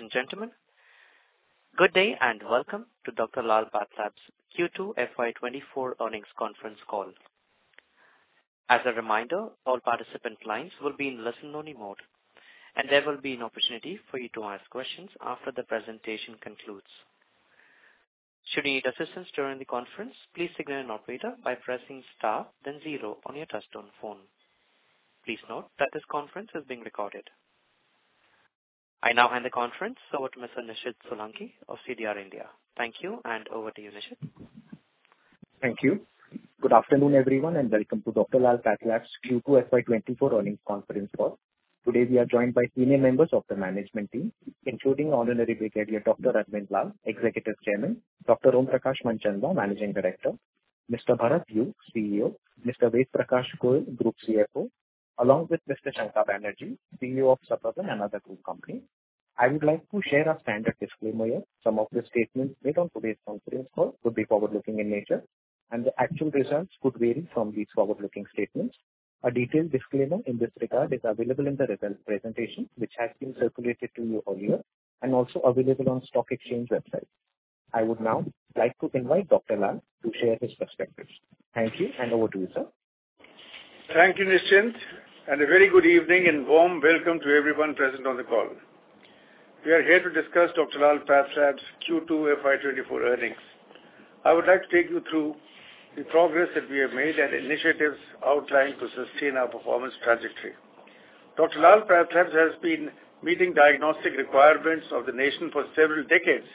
Ladies and gentlemen, good day, and welcome to Dr. Lal PathLabs Q2 FY 2024 earnings conference call. As a reminder, all participant lines will be in listen-only mode, and there will be an opportunity for you to ask questions after the presentation concludes. Should you need assistance during the conference, please signal an operator by pressing Star, then zero on your touchtone phone. Please note that this conference is being recorded. I now hand the conference over to Mr. Nishid Solanki of CDR India. Thank you, and over to you, Nishid. Thank you. Good afternoon, everyone, and welcome to Dr. Lal PathLabs Q2 FY 2024 earnings conference call. Today, we are joined by senior members of the management team, including Honorary Vice President, Dr. Arvind Lal, Executive Chairman, Dr. Om Prakash Manchanda, Managing Director, Mr. Bharath Uppiliappan, CEO, Mr. Ved Prakash Goel, Group CFO, along with Mr. Shankha Banerjee, CEO of Suburban and other group company. I would like to share our standard disclaimer here. Some of the statements made on today's conference call could be forward-looking in nature, and the actual results could vary from these forward-looking statements. A detailed disclaimer in this regard is available in the results presentation, which has been circulated to you earlier and also available on stock exchange website. I would now like to invite Dr. Lal to share his perspectives. Thank you, and over to you, sir. Thank you, Nishaid, and a very good evening and warm welcome to everyone present on the call. We are here to discuss Dr. Lal PathLabs Q2 FY 2024 earnings. I would like to take you through the progress that we have made and initiatives outlined to sustain our performance trajectory. Dr. Lal PathLabs has been meeting diagnostic requirements of the nation for several decades,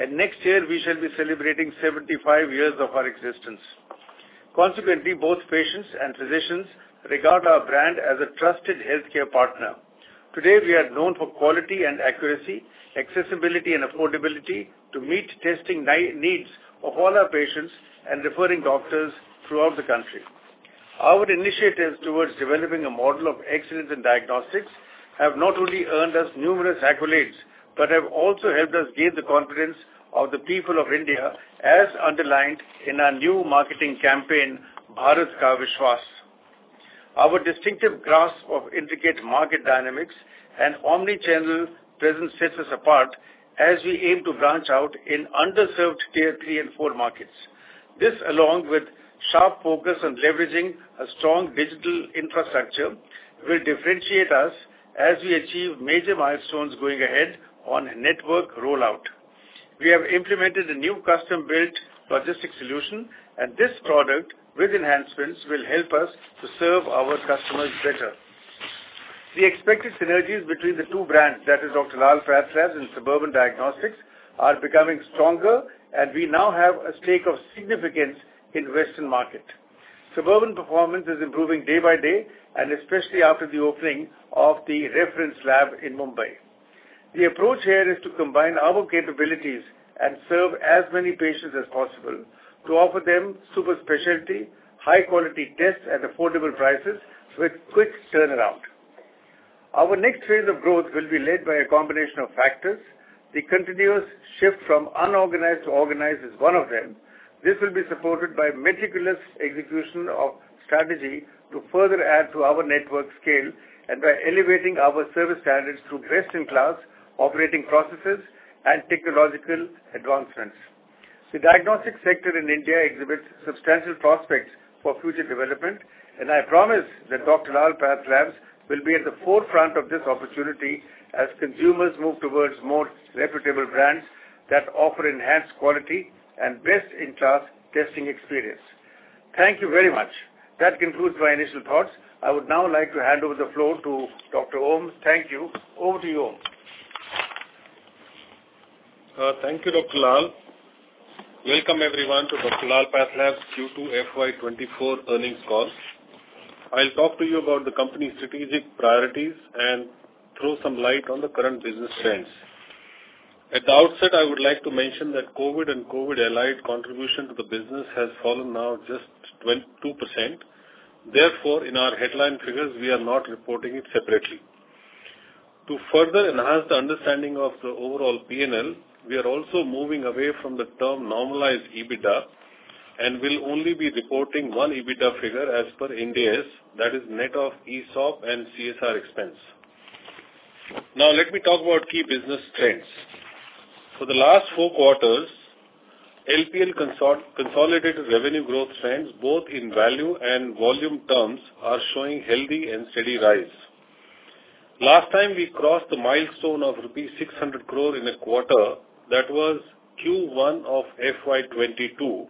and next year we shall be celebrating 75 years of our existence. Consequently, both patients and physicians regard our brand as a trusted healthcare partner. Today, we are known for quality and accuracy, accessibility and affordability to meet testing needs of all our patients and referring doctors throughout the country. Our initiatives towards developing a model of excellence in diagnostics have not only earned us numerous accolades, but have also helped us gain the confidence of the people of India, as underlined in our new marketing campaign, Bharat Ka Vishwas. Our distinctive grasp of intricate market dynamics and omni-channel presence sets us apart as we aim to branch out in underserved Tier 3 and 4 markets. This, along with sharp focus on leveraging a strong digital infrastructure, will differentiate us as we achieve major milestones going ahead on a network rollout. We have implemented a new custom-built logistics solution, and this product, with enhancements, will help us to serve our customers better. The expected synergies between the two brands, that is Dr. Lal PathLabs and Suburban Diagnostics, are becoming stronger, and we now have a stake of significance in western market. Suburban performance is improving day by day, and especially after the opening of the reference lab in Mumbai. The approach here is to combine our capabilities and serve as many patients as possible, to offer them super specialty, high quality tests at affordable prices with quick turnaround. Our next phase of growth will be led by a combination of factors. The continuous shift from unorganized to organized is one of them. This will be supported by meticulous execution of strategy to further add to our network scale and by elevating our service standards through best-in-class operating processes and technological advancements. The diagnostic sector in India exhibits substantial prospects for future development, and I promise that Dr. Lal PathLabs will be at the forefront of this opportunity as consumers move towards more reputable brands that offer enhanced quality and best-in-class testing experience. Thank you very much. That concludes my initial thoughts. I would now like to hand over the floor to Dr. Om. Thank you. Over to you, Om. Thank you, Dr. Lal. Welcome, everyone, to Dr. Lal PathLabs Q2 FY 2024 earnings call. I'll talk to you about the company's strategic priorities and throw some light on the current business trends. At the outset, I would like to mention that COVID and COVID-allied contribution to the business has fallen now just 22%. Therefore, in our headline figures, we are not reporting it separately. To further enhance the understanding of the overall P&L, we are also moving away from the term normalized EBITDA, and will only be reporting one EBITDA figure as per Ind AS, that is net of ESOP and CSR expense. Now, let me talk about key business trends. For the last four quarters, LPL consolidated revenue growth trends, both in value and volume terms, are showing healthy and steady rise. Last time we crossed the milestone of rupees 600 crore in a quarter, that was Q1 of FY 2022,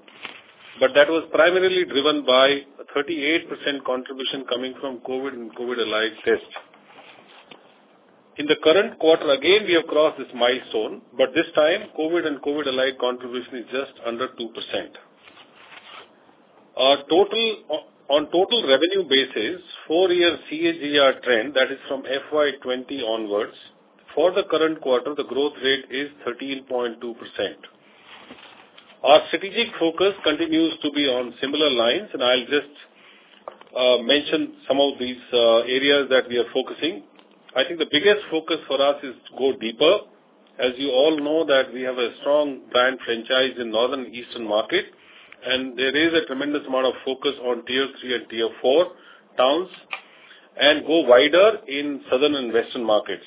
but that was primarily driven by a 38% contribution coming from COVID and COVID-allied tests. In the current quarter, again, we have crossed this milestone, but this time, COVID and COVID-allied contribution is just under 2%. On total revenue basis, 4-year CAGR trend, that is from FY 2020 onwards, for the current quarter, the growth rate is 13.2%. Our strategic focus continues to be on similar lines, and I'll just mention some of these areas that we are focusing. I think the biggest focus for us is to go deeper. As you all know, that we have a strong brand franchise in Northern Eastern market, and there is a tremendous amount of focus on Tier 3 and Tier 4 towns, and go wider in southern and western markets.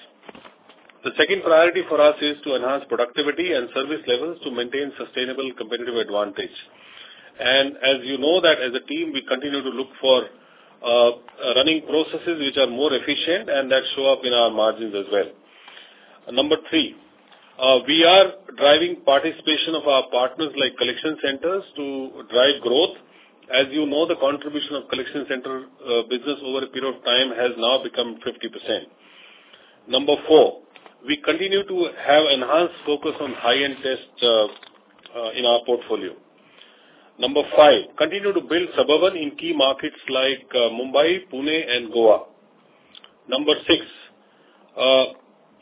The second priority for us is to enhance productivity and service levels to maintain sustainable competitive advantage. As you know, that as a team, we continue to look for running processes which are more efficient and that show up in our margins as well. Number three, we are driving participation of our partners like collection centers to drive growth. As you know, the contribution of collection center business over a period of time has now become 50%. Number four, we continue to have enhanced focus on high-end tests in our portfolio. Number five, continue to build Suburban in key markets like Mumbai, Pune, and Goa. Number six,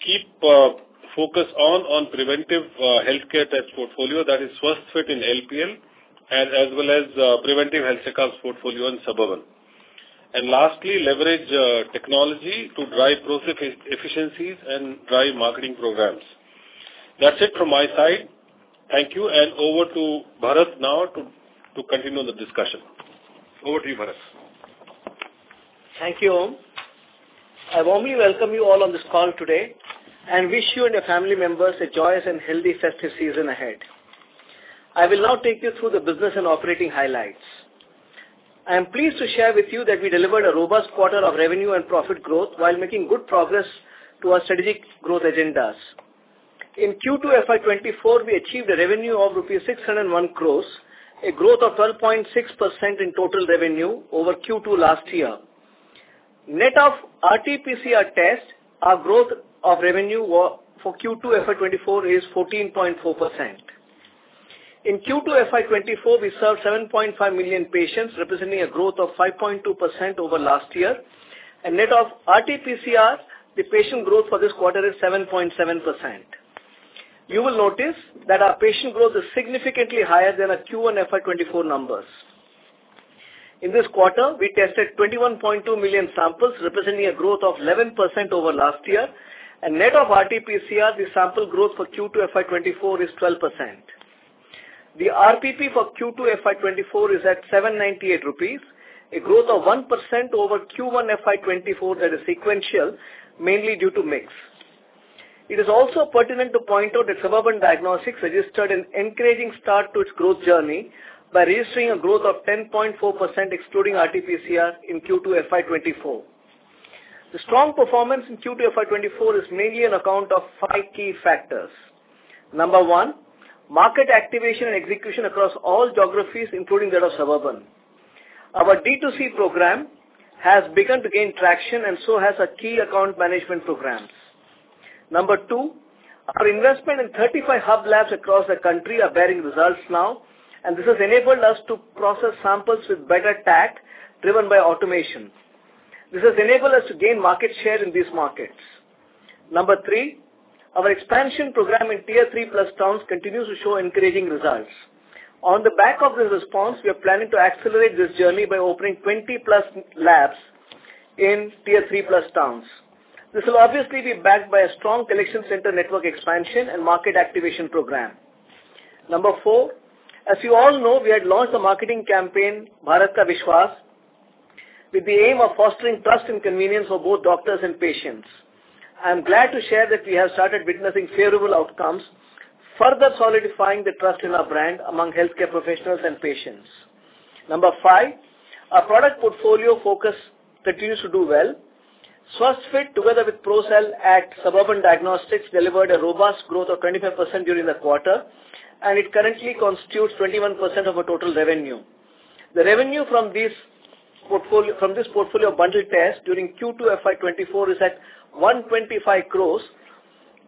keep focus on preventive healthcare test portfolio that is SwasthFit in LPL, as well as preventive healthcare portfolio in Suburban. And lastly, leverage technology to drive process efficiencies and drive marketing programs. That's it from my side. Thank you, and over to Bharath now to continue the discussion. Over to you, Bharath. Thank you, Om. I warmly welcome you all on this call today, and wish you and your family members a joyous and healthy festive season ahead. I will now take you through the business and operating highlights. I am pleased to share with you that we delivered a robust quarter of revenue and profit growth while making good progress to our strategic growth agendas. In Q2 FY 2024, we achieved a revenue of 601 crore, a growth of 12.6% in total revenue over Q2 last year. Net of RT-PCR test, our growth of revenue for Q2 FY 2024 is 14.4%. In Q2 FY 2024, we served 7.5 million patients, representing a growth of 5.2% over last year, and net of RT-PCR, the patient growth for this quarter is 7.7%. You will notice that our patient growth is significantly higher than our Q1 FY 2024 numbers. In this quarter, we tested 21.2 million samples, representing a growth of 11% over last year, and net of RTPCR, the sample growth for Q2 FY 2024 is 12%. The RPP for Q2 FY 2024 is at 798 rupees, a growth of 1% over Q1 FY 2024, that is sequential, mainly due to mix. It is also pertinent to point out that Suburban Diagnostics registered an encouraging start to its growth journey by registering a growth of 10.4%, excluding RTPCR, in Q2 FY 2024. The strong performance in Q2 FY 2024 is mainly on account of five key factors. Number one, market activation and execution across all geographies, including that of Suburban. Our D2C program has begun to gain traction, and so has our key account management programs. Number two, our investment in 35 hub labs across the country are bearing results now, and this has enabled us to process samples with better TAT, driven by automation. This has enabled us to gain market share in these markets. Number three, our expansion program in Tier 3+ towns continues to show encouraging results. On the back of this response, we are planning to accelerate this journey by opening 20+ labs in Tier 3+ towns. This will obviously be backed by a strong collection center network expansion and market activation program. Number four, as you all know, we had launched a marketing campaign, Bharat Ka Vishwas, with the aim of fostering trust and convenience for both doctors and patients. I am glad to share that we have started witnessing favorable outcomes, further solidifying the trust in our brand among healthcare professionals and patients. Number five, our product portfolio focus continues to do well. SwasthFit, together with ProCell at Suburban Diagnostics, delivered a robust growth of 25% during the quarter, and it currently constitutes 21% of our total revenue. The revenue from this portfolio of bundled tests during Q2 FY 2024 is at 125 crore,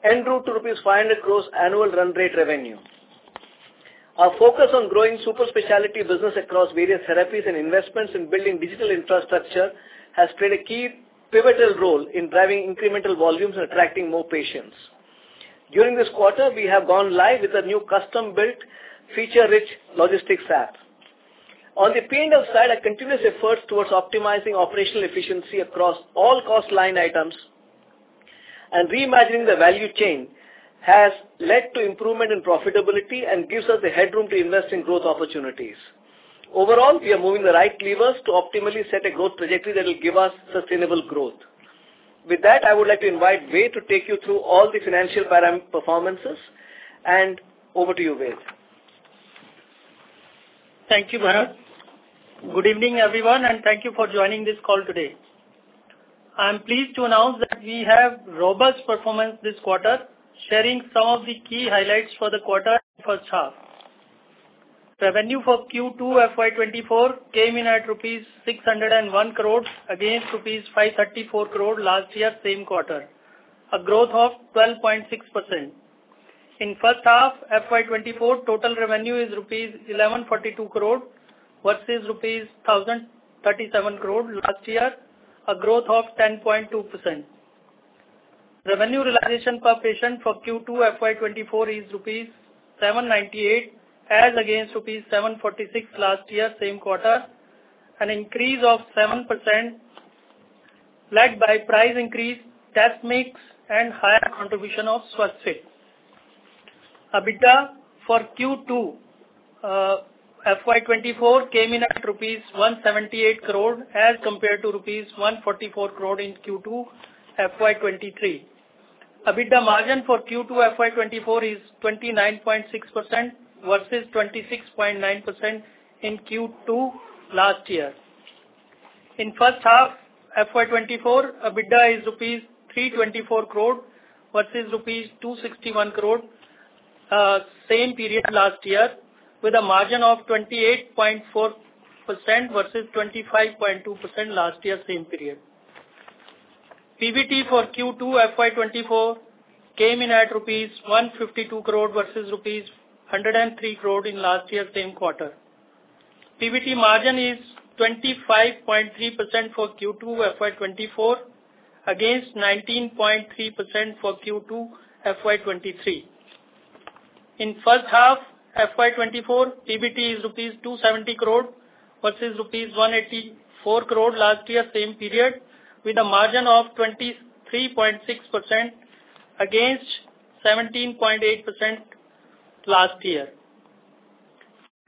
en route to rupees 500 crore annual run rate revenue. Our focus on growing super specialty business across various therapies and investments in building digital infrastructure, has played a key pivotal role in driving incremental volumes and attracting more patients. During this quarter, we have gone live with a new custom-built, feature-rich logistics app. On the P&L side, our continuous efforts towards optimizing operational efficiency across all cost line items and reimagining the value chain, has led to improvement in profitability and gives us the headroom to invest in growth opportunities. Overall, we are moving the right levers to optimally set a growth trajectory that will give us sustainable growth. With that, I would like to invite Ved to take you through all the financial param performances, and over to you, Ved. Thank you, Bharath. Good evening, everyone, and thank you for joining this call today. I am pleased to announce that we have robust performance this quarter, sharing some of the key highlights for the quarter first half. Revenue for Q2 FY 2024 came in at rupees 601 crore, against rupees 534 crore last year, same quarter, a growth of 12.6%. In first half, FY 2024, total revenue is INR 1,142 crore, versus INR 1,037 crore last year, a growth of 10.2%. Revenue realization per patient for Q2 FY 2024 is rupees 798, as against rupees 746 last year, same quarter, an increase of 7%. led by price increase, tax mix, and higher contribution of SwasthFit. EBITDA for Q2, FY 2024 came in at INR 178 crore as compared to INR 144 crore in Q2, FY 2023. EBITDA margin for Q2, FY 2024 is 29.6% versus 26.9% in Q2 last year. In first half, FY 2024, EBITDA is rupees 324 crore versus rupees 261 crore, same period last year, with a margin of 28.4% versus 25.2% last year, same period. PBT for Q2, FY 2024 came in at rupees 152 crore versus rupees 103 crore in last year, same quarter. PBT margin is 25.3% for Q2, FY 2024, against 19.3% for Q2, FY 2023. In first half, FY 2024, PBT is rupees 270 crore versus rupees 184 crore last year, same period, with a margin of 23.6% against 17.8% last year.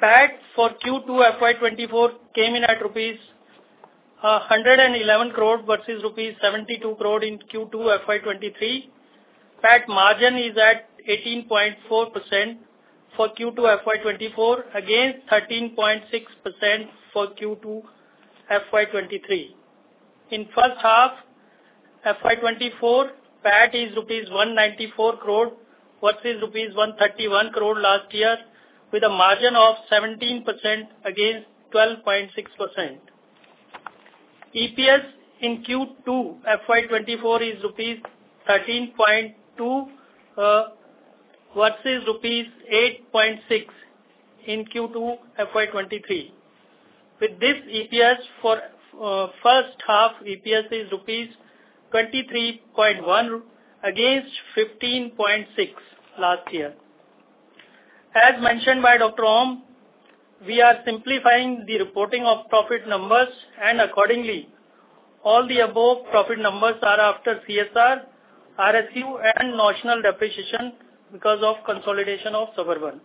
PAT for Q2, FY 2024 came in at rupees 111 crore versus rupees 72 crore in Q2, FY 2023. PAT margin is at 18.4% for Q2, FY 2024, against 13.6% for Q2, FY 2023. In first half, FY 2024, PAT is INR 194 crore versus INR 131 crore last year, with a margin of 17% against 12.6%. EPS in Q2, FY 2024, is rupees 13.2 versus rupees 8.6 in Q2, FY 2023. With this EPS for first half, EPS is rupees 23.1 against 15.6 last year. As mentioned by Dr. Om, we are simplifying the reporting of profit numbers, and accordingly, all the above profit numbers are after CSR, RSU, and notional depreciation because of consolidation of Suburban.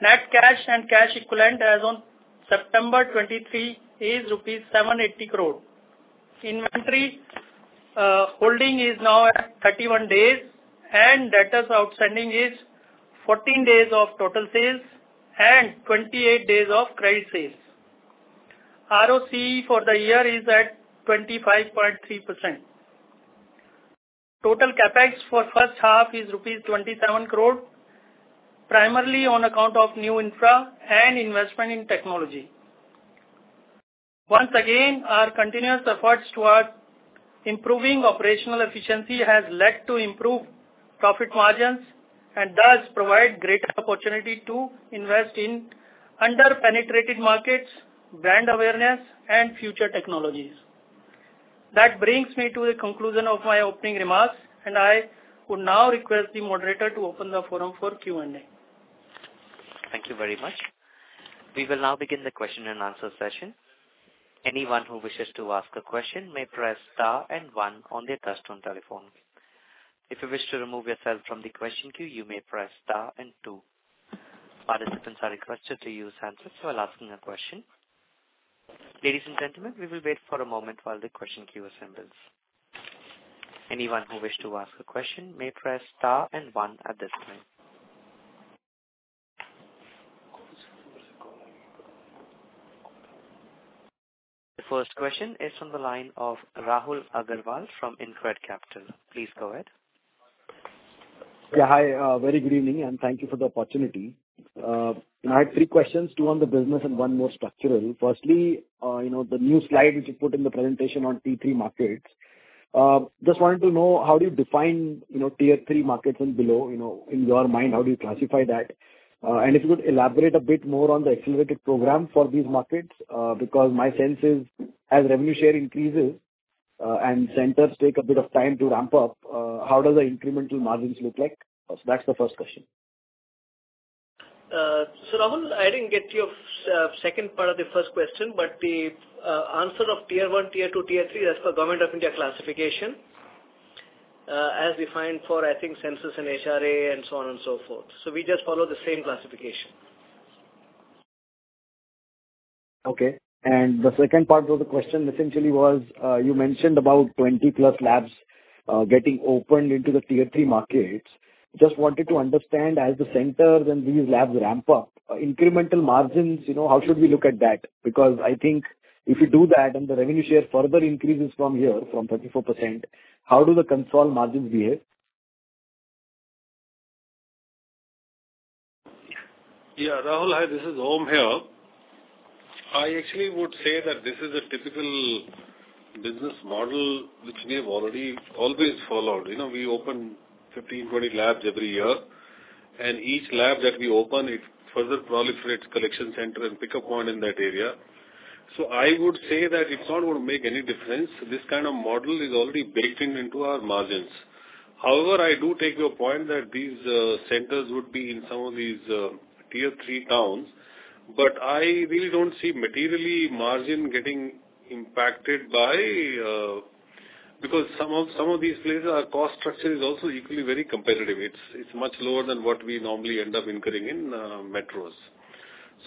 Net cash and cash equivalent as on September 2023 is rupees 780 crore. Inventory holding is now at 31 days, and debtors outstanding is 14 days of total sales and 28 days of credit sales. ROCE for the year is at 25.3%. Total CapEx for first half is rupees 27 crore, primarily on account of new infra and investment in technology. Once again, our continuous efforts towards improving operational efficiency has led to improved profit margins, and thus provide greater opportunity to invest in under-penetrated markets, brand awareness, and future technologies. That brings me to the conclusion of my opening remarks, and I would now request the moderator to open the forum for Q&A. Thank you very much. We will now begin the question and answer session. Anyone who wishes to ask a question may "press star and one" on their touchtone telephone. If you wish to remove yourself from the question queue, you may "press star and two". Participants are requested to use handsets while asking a question. Ladies and gentlemen, we will wait for a moment while the question queue assembles. Anyone who wish to ask a question may press star and one at this time. The first question is from the line of Rahul Agarwal from InCred Capital. Please go ahead. Yeah, hi, very good evening, and thank you for the opportunity. I have three questions, two on the business and one more structural. Firstly, you know, the new slide which you put in the presentation on T3 markets, just wanted to know, how do you define, you know, Tier 3 markets and below, you know, in your mind, how do you classify that? And if you could elaborate a bit more on the accelerated program for these markets, because my sense is, as revenue share increases, and centers take a bit of time to ramp up, how do the incremental margins look like? That's the first question. So, Rahul, I didn't get your second part of the first question, but the answer of Tier 1, Tier 2, Tier 3, as per Government of India classification, as defined for, I think, census and HRA and so on and so forth. So we just follow the same classification. Okay. And the second part of the question essentially was, you mentioned about 20-plus labs getting opened into the Tier 3 markets. Just wanted to understand as the centers and these labs ramp up, incremental margins, you know, how should we look at that? Because I think if you do that, and the revenue share further increases from here, from 34%, how do the consolidated margins behave? Yeah, Rahul, hi, this is Om here. I actually would say that this is a typical business model which we have already always followed. You know, we open 15, 20 labs every year, and each lab that we open, it further proliferates collection center and pickup point in that area. So I would say that it's not going to make any difference. This kind of model is already built-in into our margins. However, I do take your point that these centers would be in some of these Tier 3 towns, but I really don't see materially margin getting impacted by because some of, some of these places, our cost structure is also equally very competitive. It's much lower than what we normally end up incurring in metros.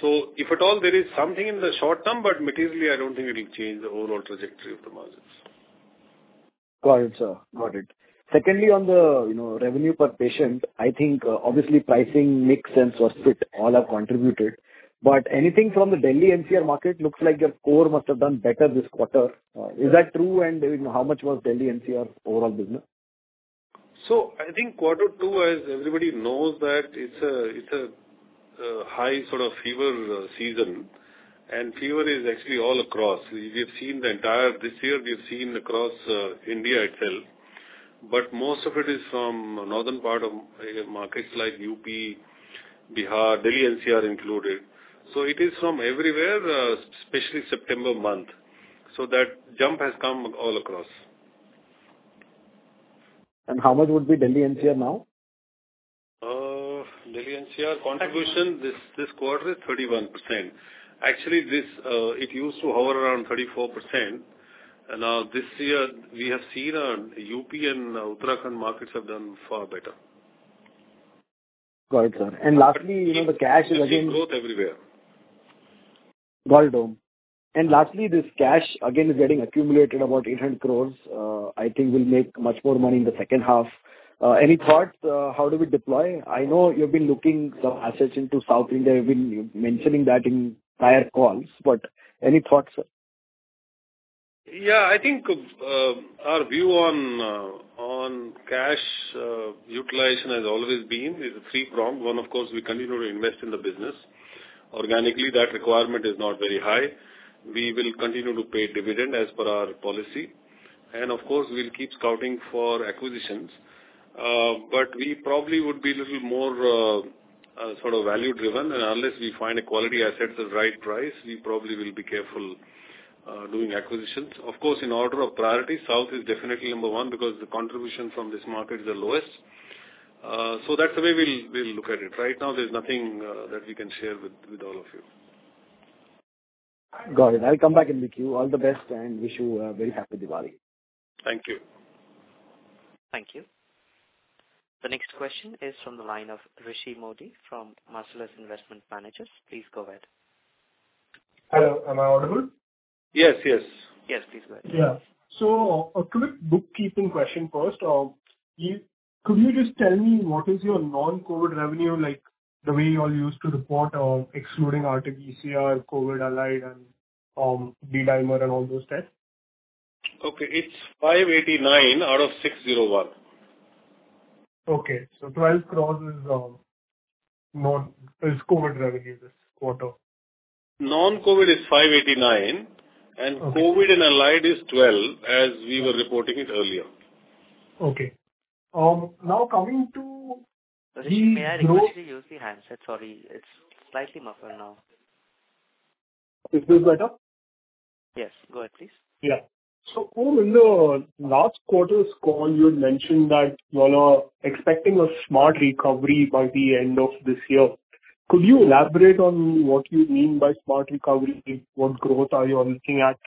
If at all, there is something in the short term, but materially, I don't think it will change the overall trajectory of the margins. Got it, sir. Got it. Secondly, on the, you know, revenue per patient, I think, obviously pricing makes sense or fit, all have contributed, but anything from the Delhi NCR market looks like your core must have done better this quarter. Is that true, and, you know, how much was Delhi NCR overall business? So I think quarter two, as everybody knows, that it's a high sort of fever season, and fever is actually all across. We've seen the entire this year we've seen across India itself, but most of it is from northern part of markets like UP, Bihar, Delhi NCR included. So it is from everywhere, especially September month. So that jump has come all across. How much would be Delhi NCR now? Delhi NCR contribution this quarter is 31%. Actually, it used to hover around 34%. Now this year, we have seen on UP and Uttarakhand markets have done far better. Got it, sir. Lastly, you know, the cash is again There's growth everywhere. Got it. And lastly, this cash, again, is getting accumulated about 800 crore, I think will make much more money in the second half. Any thoughts, how do we deploy? I know you've been looking some assets into South India. You've been mentioning that in prior calls, but any thoughts, sir? Yeah, I think, our view on cash utilization has always been, is a three-pronged. One, of course, we continue to invest in the business. Organically, that requirement is not very high. We will continue to pay dividend as per our policy, and of course, we'll keep scouting for acquisitions. But we probably would be little more, sort of value-driven, and unless we find a quality asset at the right price, we probably will be careful doing acquisitions. Of course, in order of priority, South is definitely number one, because the contribution from this market is the lowest. So that's the way we'll look at it. Right now, there's nothing that we can share with all of you. Got it. I'll come back in the queue. All the best, and wish you a very happy Diwali. Thank you. Thank you. The next question is from the line of Rishi Modi from Marcellus Investment Managers. Please go ahead. Hello, am I audible? Yes, yes. Yes, please go ahead. Yeah. So a quick bookkeeping question first. Could you just tell me what is your non-COVID revenue, like, the way you all used to report on excluding RT-PCR, COVID allied, and D-Dimer and all those tests? Okay, it's 589 out of 601. Okay. So 12 crore is more, is COVID revenue this quarter. Non-COVID is 589- Okay. and COVID and allied is 12, as we were reporting it earlier. Okay. Now coming to the- Rishi, may I request you to use the handset? Sorry, it's slightly muffled now. Is this better? Yes, go ahead, please. Yeah. So, in the last quarter's call, you had mentioned that you all are expecting a smart recovery by the end of this year. Could you elaborate on what you mean by smart recovery? What growth are you looking at?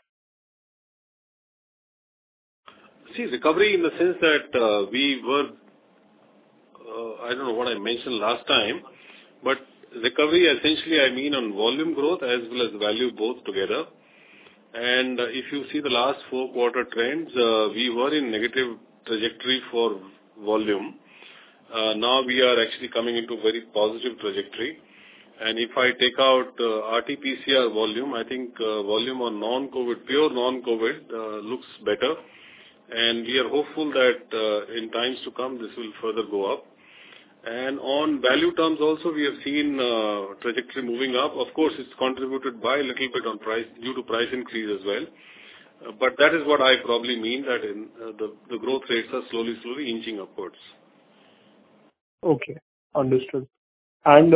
See, recovery in the sense that, we were, I don't know what I mentioned last time, but recovery, essentially, I mean on volume growth as well as value, both together. And if you see the last four quarter trends, we were in negative trajectory for volume. Now we are actually coming into very positive trajectory, and if I take out, RT-PCR volume, I think, volume on non-COVID, pure non-COVID, looks better. And we are hopeful that, in times to come, this will further go up. And on value terms also, we have seen, trajectory moving up. Of course, it's contributed by a little bit on price, due to price increase as well. But that is what I probably mean, that in, the, the growth rates are slowly, slowly inching upwards. Okay, understood. And,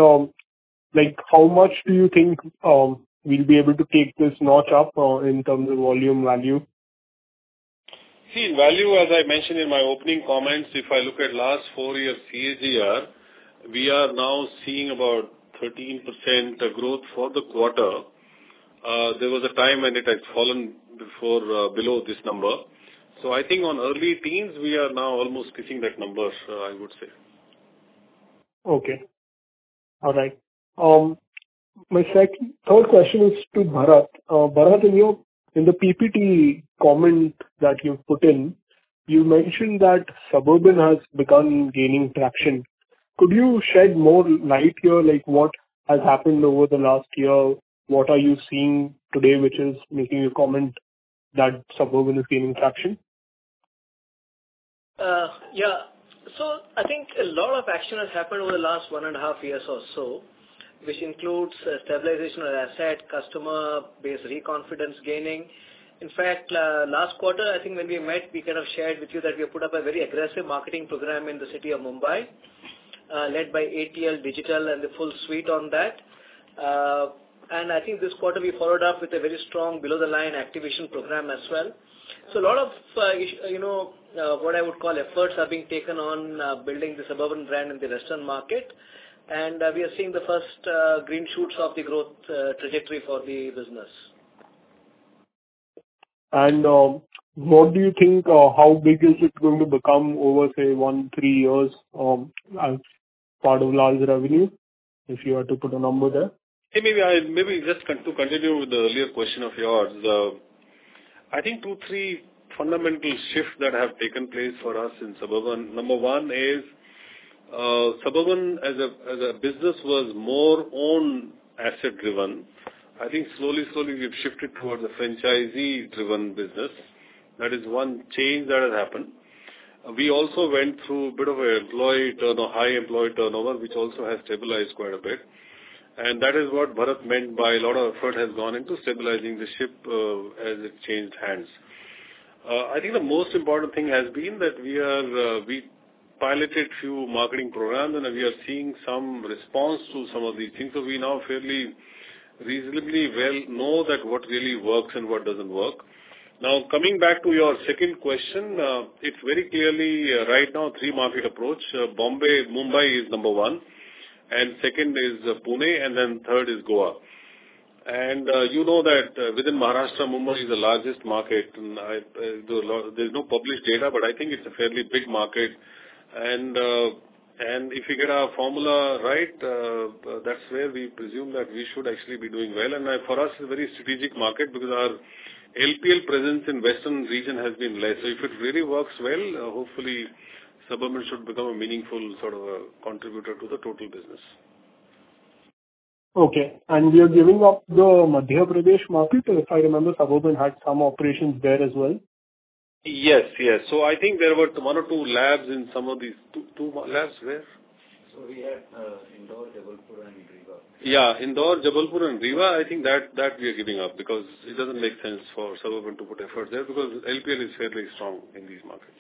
like, how much do you think we'll be able to take this notch up in terms of volume value? See, in value, as I mentioned in my opening comments, if I look at last four years CAGR, we are now seeing about 13% growth for the quarter. There was a time when it had fallen before, below this number. So I think on early teens, we are now almost touching that number, I would say. Okay. All right. My second, third question is to Bharat. Bharat, in your, in the PPT comment that you've put in, you mentioned that Suburban has begun gaining traction. Could you shed more light here, like, what has happened over the last year? What are you seeing today, which is making you comment that Suburban is gaining traction? Yeah. So I think a lot of action has happened over the last 1.5 years or so, which includes stabilization of asset, customer base reconfidence gaining. In fact, last quarter, I think when we met, we kind of shared with you that we have put up a very aggressive marketing program in the city of Mumbai, led by ATL Digital and the full suite on that. And I think this quarter, we followed up with a very strong below the line activation program as well. So a lot of, you know, what I would call efforts are being taken on building the Suburban brand in the western market, and we are seeing the first green shoots of the growth trajectory for the business. What do you think, or how big is it going to become over, say, one, three years, as part of larger revenue, if you were to put a number there? Hey, maybe I, maybe just continue with the earlier question of yours. I think two, three fundamental shifts that have taken place for us in Suburban. Number one is, Suburban as a, as a business, was more own asset-driven. I think slowly, slowly, we've shifted towards a franchisee-driven business. That is one change that has happened. We also went through a bit of a employee turnover, high employee turnover, which also has stabilized quite a bit, and that is what Bharat meant by a lot of effort has gone into stabilizing the ship, as it changed hands. I think the most important thing has been that we have, we piloted few marketing programs, and we are seeing some response to some of these things. So we now fairly, reasonably well know that what really works and what doesn't work. Now, coming back to your second question, it's very clearly, right now, three market approach. Bombay, Mumbai is number one, and second is Pune, and then third is Goa. And, you know that within Maharashtra, Mumbai is the largest market, and I, there's no, there's no published data, but I think it's a fairly big market. And, and if we get our formula right, that's where we presume that we should actually be doing well. And for us, it's a very strategic market because our LPL presence in western region has been less. So if it really works well, hopefully, Suburban should become a meaningful sort of a contributor to the total business. Okay. We are giving up the Madhya Pradesh market? If I remember, Suburban had some operations there as well. Yes, yes. So I think there were one or two labs in some of these two, two- Labs where? So we had Indore, Jabalpur, and Rewa. Yeah, Indore, Jabalpur, and Rewa, I think that we are giving up because it doesn't make sense for Suburban to put effort there, because LPL is fairly strong in these markets.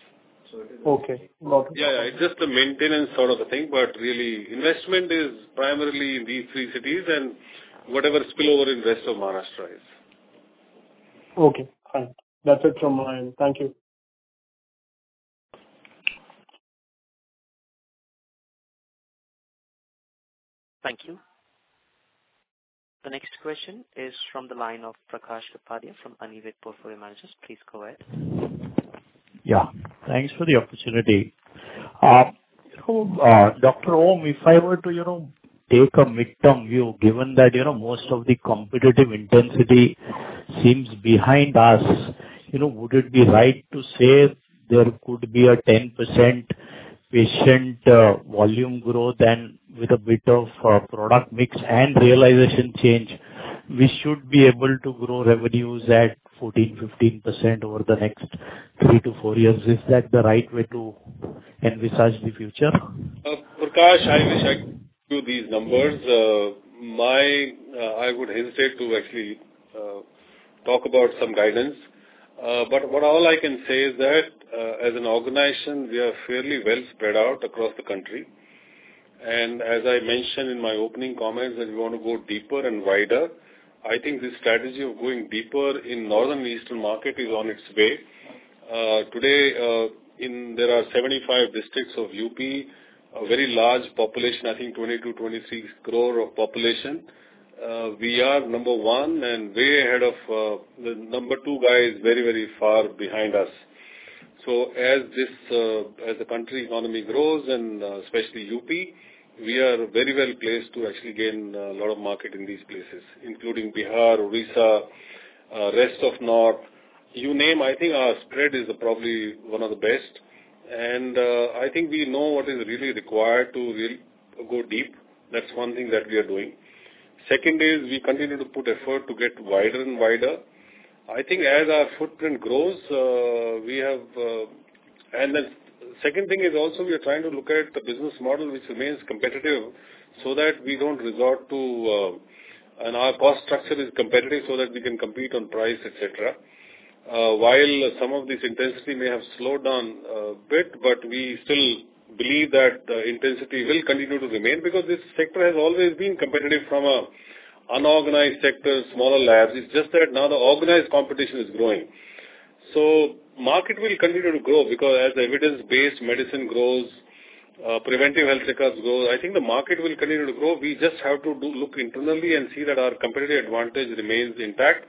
Okay. Got it. Yeah, yeah, it's just a maintenance sort of a thing, but really, investment is primarily in these three cities and whatever spillover in rest of Maharashtra is. Okay, fine. That's it from my end. Thank you. Thank you. The next question is from the line of Prakash Kapadia from Anived Portfolio Managers. Please go ahead. Yeah, thanks for the opportunity. So, Dr. Om, if I were to, you know, take a midterm view, given that, you know, most of the competitive intensity seems behind us, you know, would it be right to say there could be a 10% patient volume growth and with a bit of product mix and realization change, we should be able to grow revenues at 14%-15% over the next 3-4 years? Is that the right way to envisage the future? Prakash, I wish I could do these numbers. I would hesitate to actually talk about some guidance, but what all I can say is that, as an organization, we are fairly well spread out across the country. And as I mentioned in my opening comments, that we want to go deeper and wider. I think this strategy of going deeper in northern and eastern market is on its way. Today, there are 75 districts of UP, a very large population, I think 20-26 crore of population. We are number one and way ahead of, the number two guy is very, very far behind us. So as this, as the country economy grows, and, especially UP, we are very well placed to actually gain a lot of market in these places, including Bihar, Odisha, rest of North. You name, I think our spread is probably one of the best, and, I think we know what is really required to really go deep. That's one thing that we are doing. Second is, we continue to put effort to get wider and wider. I think as our footprint grows, we have... And the second thing is also we are trying to look at the business model, which remains competitive, so that we don't resort to, and our cost structure is competitive, so that we can compete on price, et cetera. While some of this intensity may have slowed down a bit, but we still believe that the intensity will continue to remain, because this sector has always been competitive from a unorganized sector, smaller labs. It's just that now the organized competition is growing. So market will continue to grow, because as the evidence-based medicine grows, preventive health records grow, I think the market will continue to grow. We just have to do, look internally and see that our competitive advantage remains intact,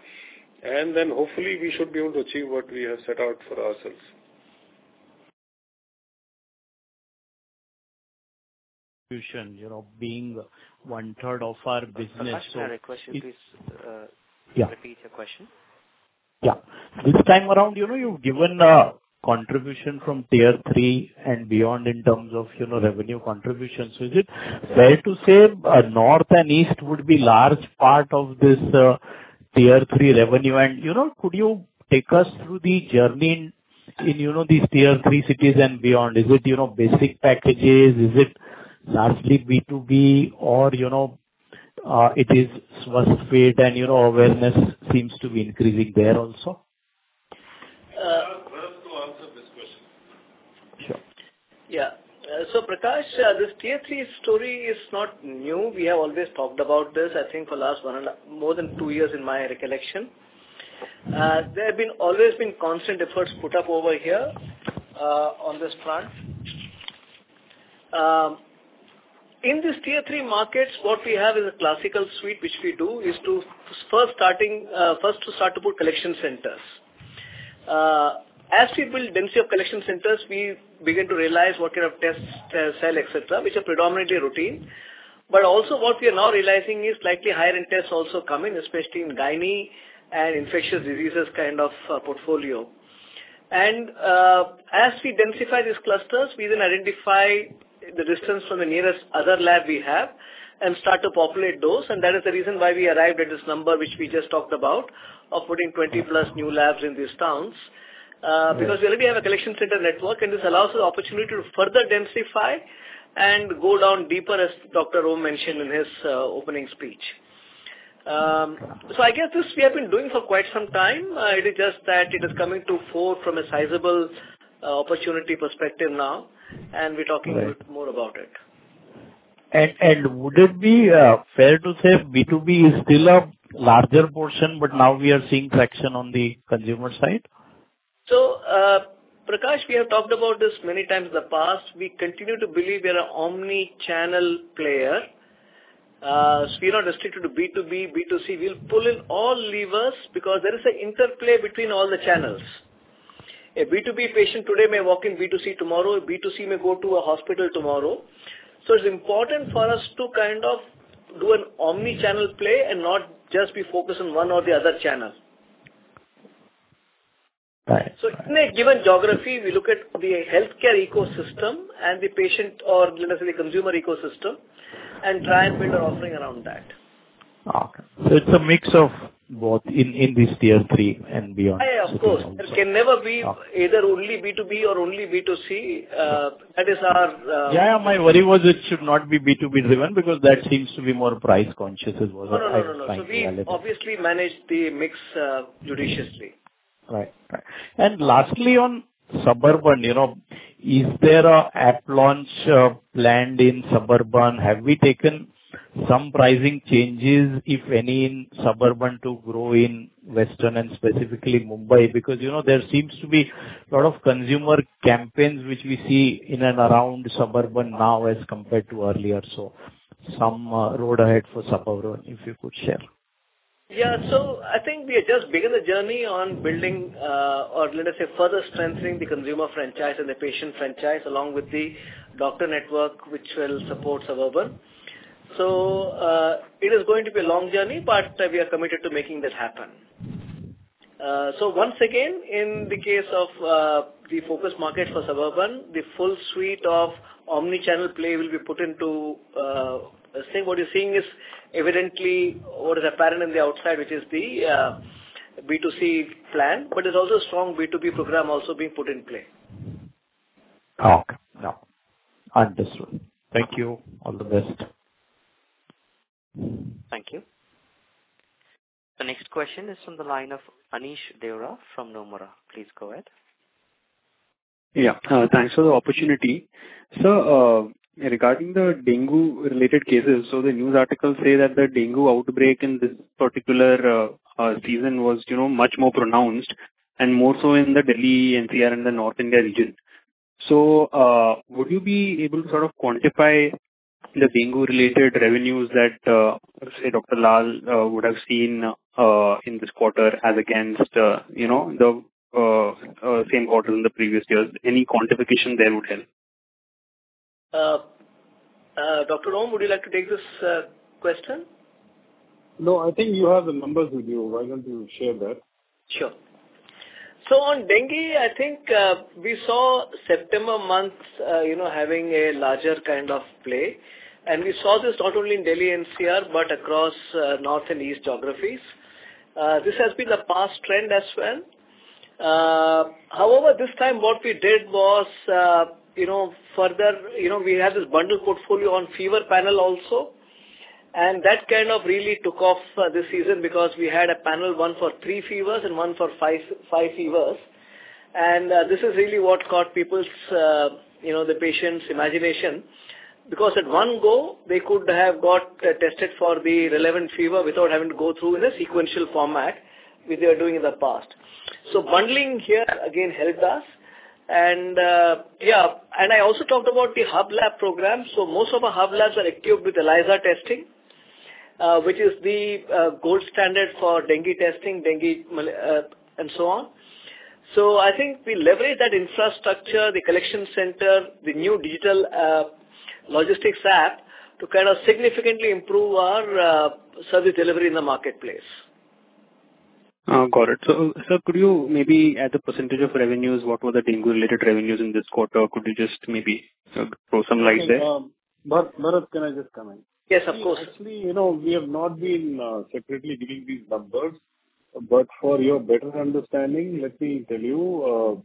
and then hopefully, we should be able to achieve what we have set out for ourselves. Solution, you know, being 1/3 of our business. Prakash, I have a question, please. Yeah. Repeat your question. Yeah. This time around, you know, you've given a contribution from Tier 3 and beyond in terms of, you know, revenue contributions. So is it fair to say, North and East would be large part of this, Tier 3 revenue? And, you know, could you take us through the journey in, you know, these Tier 3 cities and beyond? Is it, you know, basic packages? Is it largely B2B or, you know, it is first fit and, you know, awareness seems to be increasing there also? Sure. Yeah. So Prakash, this Tier 3 story is not new. We have always talked about this, I think for the last more than two years in my recollection. There have always been constant efforts put up over here, on this front. In this Tier 3 markets, what we have is a classical suite, which we do, is to first start to put collection centers. As we build density of collection centers, we begin to realize what kind of tests sell, et cetera, which are predominantly routine. But also what we are now realizing is slightly higher-end tests also come in, especially in gynae and infectious diseases kind of portfolio. And, as we densify these clusters, we then identify the distance from the nearest other lab we have and start to populate those, and that is the reason why we arrived at this number, which we just talked about, of putting 20+ new labs in these towns. Because we already have a collection center network, and this allows us the opportunity to further densify and go down deeper, as Dr. Om mentioned in his opening speech. So I guess this we have been doing for quite some time. It is just that it is coming to the fore from a sizable opportunity perspective now, and we're talking- Right. A little more about it. Would it be fair to say B2B is still a larger portion, but now we are seeing traction on the consumer side? So, Prakash, we have talked about this many times in the past. We continue to believe we are an omni-channel player. So we're not restricted to B2B, B2C. We'll pull in all levers because there is an interplay between all the channels. A B2B patient today may walk in B2C tomorrow, B2C may go to a hospital tomorrow. So it's important for us to kind of do an omni-channel play and not just be focused on one or the other channel. Right. In a given geography, we look at the healthcare ecosystem and the patient, or let us say, the consumer ecosystem, and try and build our offering around that. Okay. So it's a mix of both in this Tier 3 and beyond. Yeah, of course. It can never either only B2B or only B2C. That is our, Yeah, my worry was it should not be B2B driven, because that seems to be more price conscious as well. No, no, no, no. So we obviously manage the mix judiciously. Right. Right. And lastly, on suburban, you know, is there an app launch planned in suburban? Have we taken some pricing changes, if any, in suburban to grow in western and specifically Mumbai? Because, you know, there seems to be a lot of consumer campaigns which we see in and around suburban now as compared to earlier. So some road ahead for suburban, if you could share. Yeah. So I think we have just begun a journey on building, or let us say, further strengthening the consumer franchise and the patient franchise along with the doctor network, which will support Suburban. So, it is going to be a long journey, but, we are committed to making that happen. So once again, in the case of, the focus market for Suburban, the full suite of omni-channel play will be put into... Let's say what you're seeing is evidently what is apparent in the outside, which is the, B2C plan, but there's also a strong B2B program also being put in play. Okay. Now, understood. Thank you. All the best. Thank you. The next question is from the line of Aneesh Deora from Nomura. Please go ahead. Yeah. Thanks for the opportunity. So, regarding the dengue-related cases, so the news articles say that the dengue outbreak in this particular season was, you know, much more pronounced and more so in the Delhi NCR and the North India regions. So, would you be able to sort of quantify the dengue-related revenues that, say, Dr. Lal, would have seen in this quarter as against, you know, the same quarter in the previous years? Any quantification there would help. Dr. Om, would you like to take this question? No, I think you have the numbers with you. Why don't you share that? Sure. So on dengue, I think, we saw September months, you know, having a larger kind of play. And we saw this not only in Delhi, NCR, but across, North and East geographies. This has been a past trend as well. However, this time what we did was, you know, further, you know, we have this bundle portfolio on fever panel also, and that kind of really took off, this season because we had a panel, one for three fevers and one for five, five fevers. And, this is really what caught people's, you know, the patients' imagination, because at one go, they could have got, tested for the relevant fever without having to go through in a sequential format, which they were doing in the past. So bundling here, again, helped us. And, yeah, and I also talked about the hub lab program. So most of our hub labs are equipped with ELISA testing, which is the gold standard for dengue testing, dengue malaria, and so on. So I think we leverage that infrastructure, the collection center, the new digital logistics app, to kind of significantly improve our service delivery in the marketplace. Got it. So, sir, could you maybe add the percentage of revenues? What were the dengue-related revenues in this quarter? Could you just maybe throw some light there? Bharath, Bharath, can I just come in? Yes, of course. Actually, you know, we have not been separately giving these numbers, but for your better understanding, let me tell you,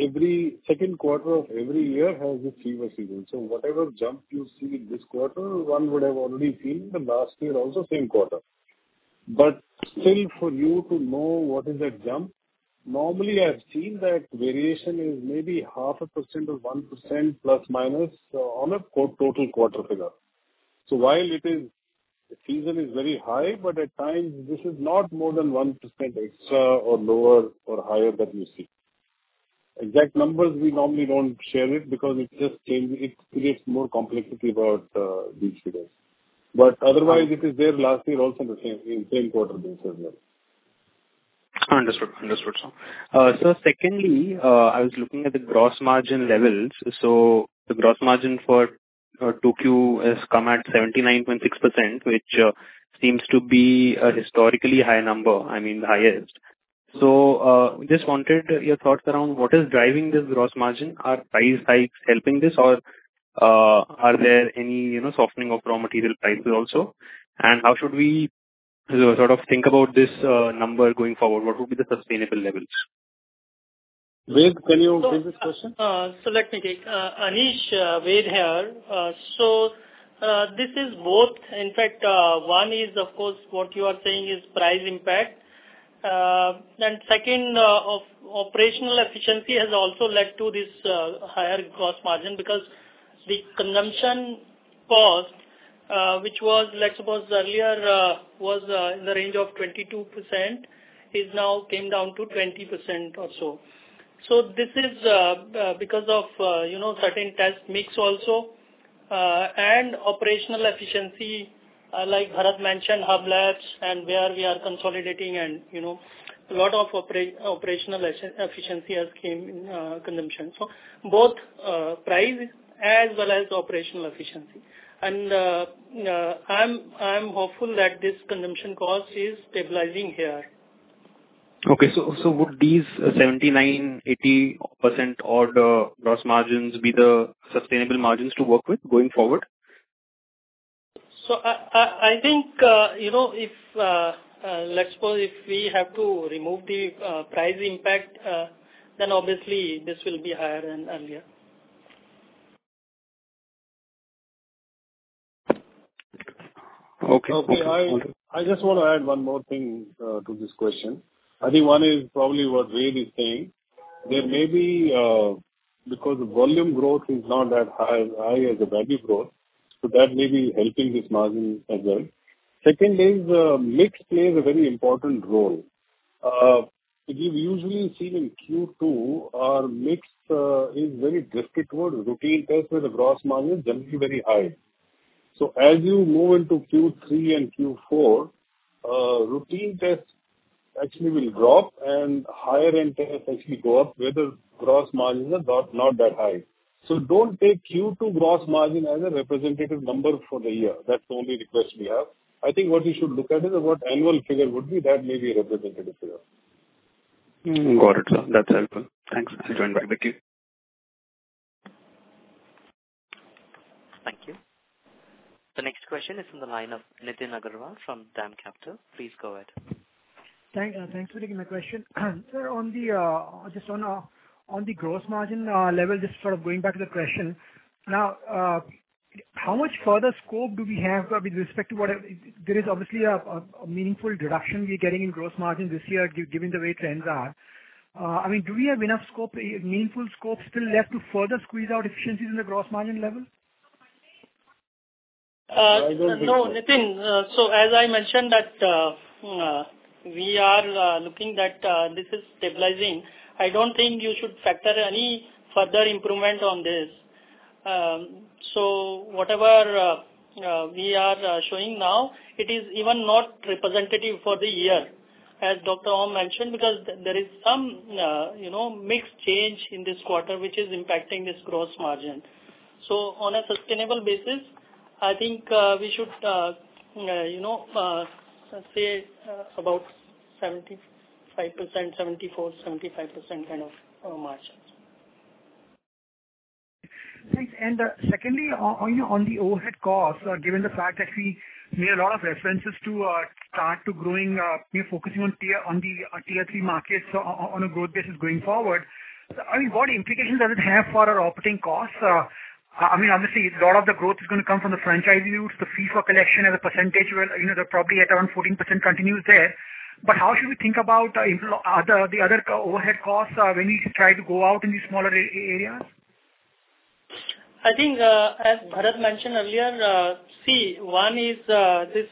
every second quarter of every year has a fever season. So whatever jump you see in this quarter, one would have already seen in the last year, also same quarter. But still for you to know what is that jump, normally I've seen that variation is maybe 0.5% or 1% plus, minus on a total quarter figure. So while it is, the season is very high, but at times this is not more than 1% extra or lower or higher than you see. Exact numbers, we normally don't share it because it just it creates more complexity about, the figures. But otherwise, it is there last year also, the same, same quarter things as well. Understood. Understood, sir. So secondly, I was looking at the gross margin levels. So the gross margin for 2Q has come at 79.6%, which seems to be a historically high number, I mean, the highest. So just wanted your thoughts around what is driving this gross margin. Are price hikes helping this or are there any, you know, softening of raw material prices also? And how should we sort of think about this number going forward? What would be the sustainable levels? Ved, can you take this question? So let me take. Aneesh, Ved here. So, this is both. In fact, one is, of course, what you are saying is price impact. And second, of operational efficiency has also led to this, higher gross margin, because the consumption cost, which was, let's suppose earlier, was, in the range of 22%, is now came down to 20% or so. So this is, because of, you know, certain test mix also, and operational efficiency, like Bharat mentioned, hub labs, and where we are consolidating and, you know, a lot of operational efficiency has came in, consumption. So both, price as well as operational efficiency. And, I'm, I'm hopeful that this consumption cost is stabilizing here. Okay, so, so would these 79%-80% order gross margins be the sustainable margins to work with going forward? I think, you know, let's suppose if we have to remove the price impact, then obviously this will be higher than earlier. Okay. Okay. I, I just want to add one more thing to this question. I think one is probably what Ved is saying. There may be, because the volume growth is not that high, high as the value growth, so that may be helping this margin as well. Second is, mix plays a very important role. We've usually seen in Q2, our mix is very drastic toward routine tests, where the gross margin is generally very high. So as you move into Q3 and Q4, routine tests actually will drop, and higher-end tests actually go up, where the gross margins are not, not that high. So don't take Q2 gross margin as a representative number for the year. That's the only request we have. I think what you should look at is what annual figure would be, that may be a representative figure. Mm. Got it, sir. That's helpful. Thanks. I'll join back with you. Thank you. The next question is from the line of Nitin Agarwal from DAM Capital. Please go ahead. Thank, thanks for taking my question. Sir, on the, just on, on the gross margin, level, just sort of going back to the question. Now, how much further scope do we have with respect to what, There is obviously a meaningful reduction we're getting in gross margin this year, given the way trends are. I mean, do we have enough scope, a meaningful scope still left to further squeeze out efficiencies in the gross margin level? No, Nitin. So as I mentioned that, we are looking that, this is stabilizing. I don't think you should factor any further improvement on this. So whatever, we are showing now, it is even not representative for the year, as Dr. Om mentioned, because there is some, you know, mixed change in this quarter, which is impacting this gross margin. So on a sustainable basis, I think, we should, you know, say, about 75%, 74%-75% kind of margins. Thanks. And, secondly, on the overhead costs, given the fact that we made a lot of references to start to growing, you know, focusing on Tier 3 markets on a growth basis going forward, I mean, what implications does it have for our operating costs? I mean, obviously, a lot of the growth is gonna come from the franchisee routes, the fee for collection as a percentage, you know, they're probably at around 14% continues there. But how should we think about the other overhead costs when you try to go out in these smaller areas? I think, as Bharath mentioned earlier, see, one is, this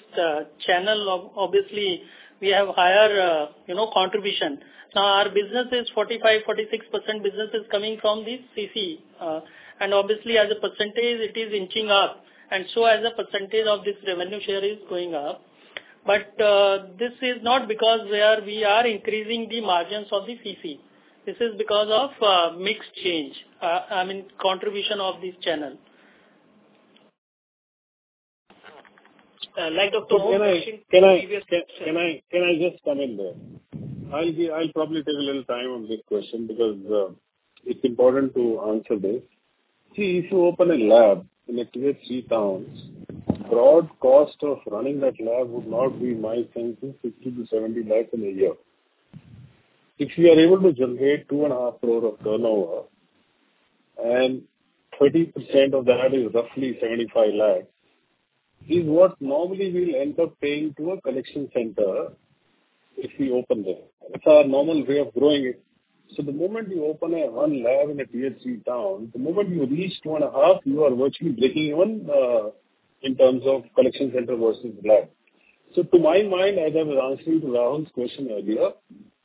channel, obviously we have higher, you know, contribution. So our business is 45%-46% business is coming from the CC. And obviously, as a percentage, it is inching up, and so as a percentage of this revenue share is going up. But, this is not because we are, we are increasing the margins of the CC. This is because of, mix change, I mean, contribution of this channel. Like Dr. Om mentioned- Can I just come in there? I'll probably take a little time on this question because it's important to answer this. See, if you open a lab in a Tier 3 town, broad cost of running that lab would not be, my sense, is 60-70 lakhs in a year. If we are able to generate 2.5 crore of turnover, and 20% of that is roughly 75 lakhs, is what normally we'll end up paying to a collection center if we open there. That's our normal way of growing it. So the moment you open a one lab in a Tier 3 town, the moment you reach 2.5, you are virtually breaking even in terms of collection center versus lab. So to my mind, as I was answering to Rahul's question earlier,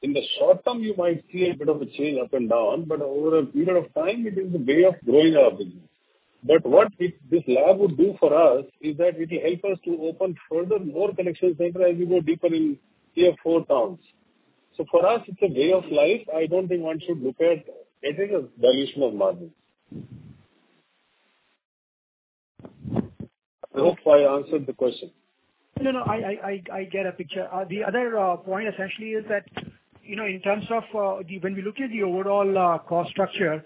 in the short term, you might see a bit of a change up and down, but over a period of time, it is the way of growing our business. But what this lab would do for us is that it will help us to open further more collection center as we go deeper in Tier 4 towns. So for us, it's a way of life. I don't think one should look at it as a dilution of margins. I hope I answered the question. No, no, I get a picture. The other point essentially is that, you know, in terms of the when we look at the overall cost structure,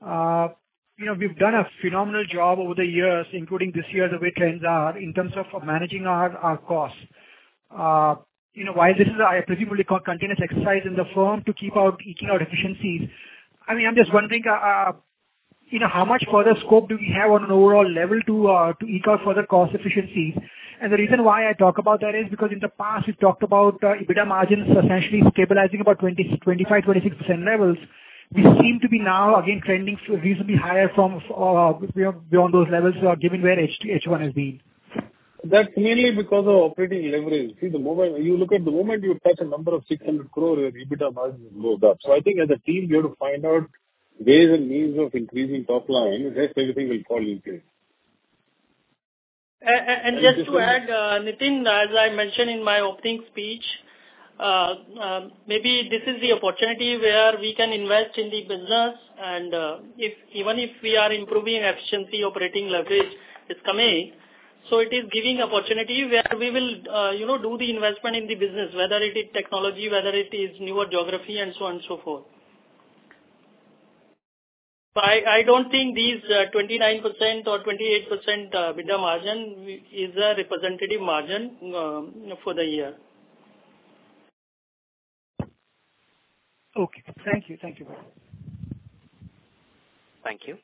you know, we've done a phenomenal job over the years, including this year, the way trends are, in terms of managing our costs. You know, while this is a presumably continuous exercise in the firm to keep on eking out efficiencies, I mean, I'm just wondering, you know, how much further scope do we have on an overall level to eke out further cost efficiencies? And the reason why I talk about that is because in the past, you've talked about EBITDA margins essentially stabilizing about 20, 25, 26% levels. We seem to be now again trending reasonably higher from beyond those levels, given where H2H1 has been. That's mainly because of operating leverage. See, the more when you look at the moment, you touch a number of 600 crore, your EBITDA margin is loaded up. So I think as a team, we have to find out ways and means of increasing top line, rest everything will fall into it. And just to add, Nitin, as I mentioned in my opening speech, maybe this is the opportunity where we can invest in the business, and, if even if we are improving efficiency, operating leverage is coming. So it is giving opportunity where we will, you know, do the investment in the business, whether it is technology, whether it is newer geography and so on and so forth. So I don't think these 29% or 28% EBITDA margin is a representative margin, for the year. Okay. Thank you. Thank you very much. Thank you.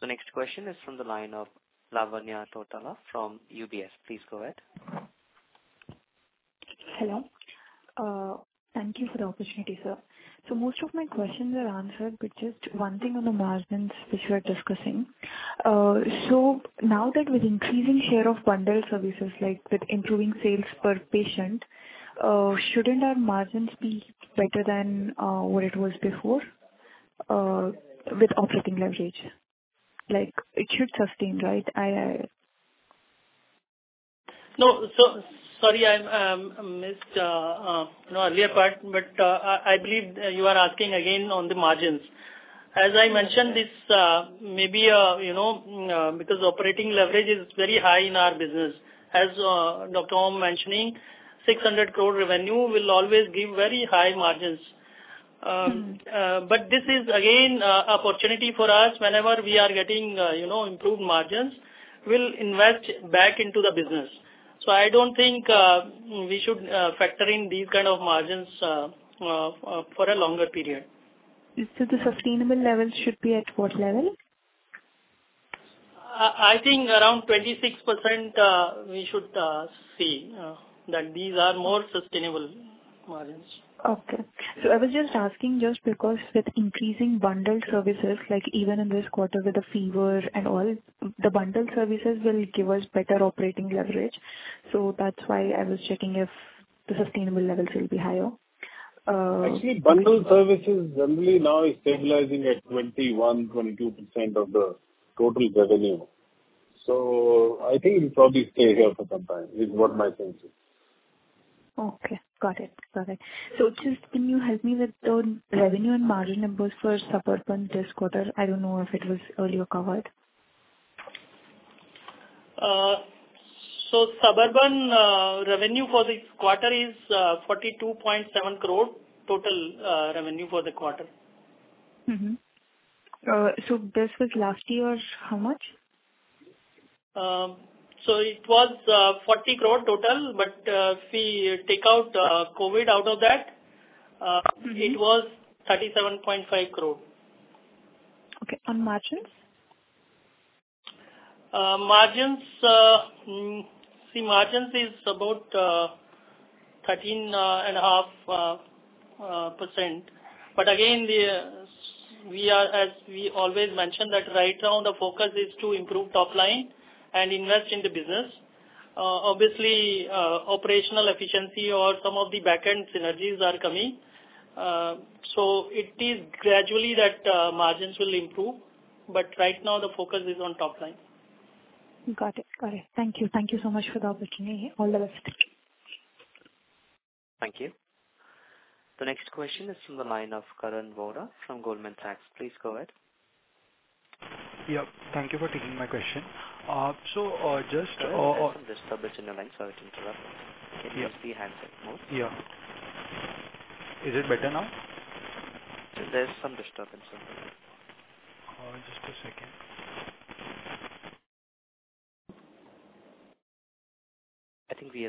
The next question is from the line of Lavanya Tottala from UBS. Please go ahead. Hello. Thank you for the opportunity, sir. So most of my questions are answered, but just one thing on the margins which you are discussing. So now that with increasing share of bundled services, like with improving sales per patient, shouldn't our margins be better than what it was before, with operating leverage? Like, it should sustain, right? No. So sorry, I missed an earlier part, but I believe you are asking again on the margins. As I mentioned this, maybe you know, because operating leverage is very high in our business. As Dr. Om mentioning, 600 crore revenue will always give very high margins. This is again an opportunity for us. Whenever we are getting, you know, improved margins, we'll invest back into the business. I don't think we should factor in these kind of margins for a longer period. The sustainable levels should be at what level? I think around 26%, we should see that these are more sustainable margins. Okay. So I was just asking just because with increasing bundled services, like even in this quarter with the fever and all, the bundled services will give us better operating leverage. So that's why I was checking if the sustainable levels will be higher. Actually, bundled services generally now is stabilizing at 21%-22% of the total revenue. So I think it'll probably stay here for some time, is what my sense is. Okay. Got it. Got it. So just can you help me with the revenue and margin numbers for Suburban this quarter? I don't know if it was earlier covered. So Suburban revenue for this quarter is 42.7 crore, total revenue for the quarter. Mm-hmm. So this was last year's, how much? So it was 40 crore total, but if we take out COVID out of that, Mm-hmm. It was 37.5 crore. Okay, on margins? Margins is about 13.5%. But again, we are, as we always mention, that right now the focus is to improve top line and invest in the business. Obviously, operational efficiency or some of the back-end synergies are coming. So it is gradually that margins will improve, but right now the focus is on top line. Got it. Got it. Thank you. Thank you so much for the opportunity. All the best. Thank you. The next question is from the line of Karan Vora from Goldman Sachs. Please go ahead. Yeah, thank you for taking my question. So, just- There's some disturbance in the line, so it interrupts. Can you use the handset mode? Yeah. Is it better now? There's some disturbance, sir. Just a second. I think we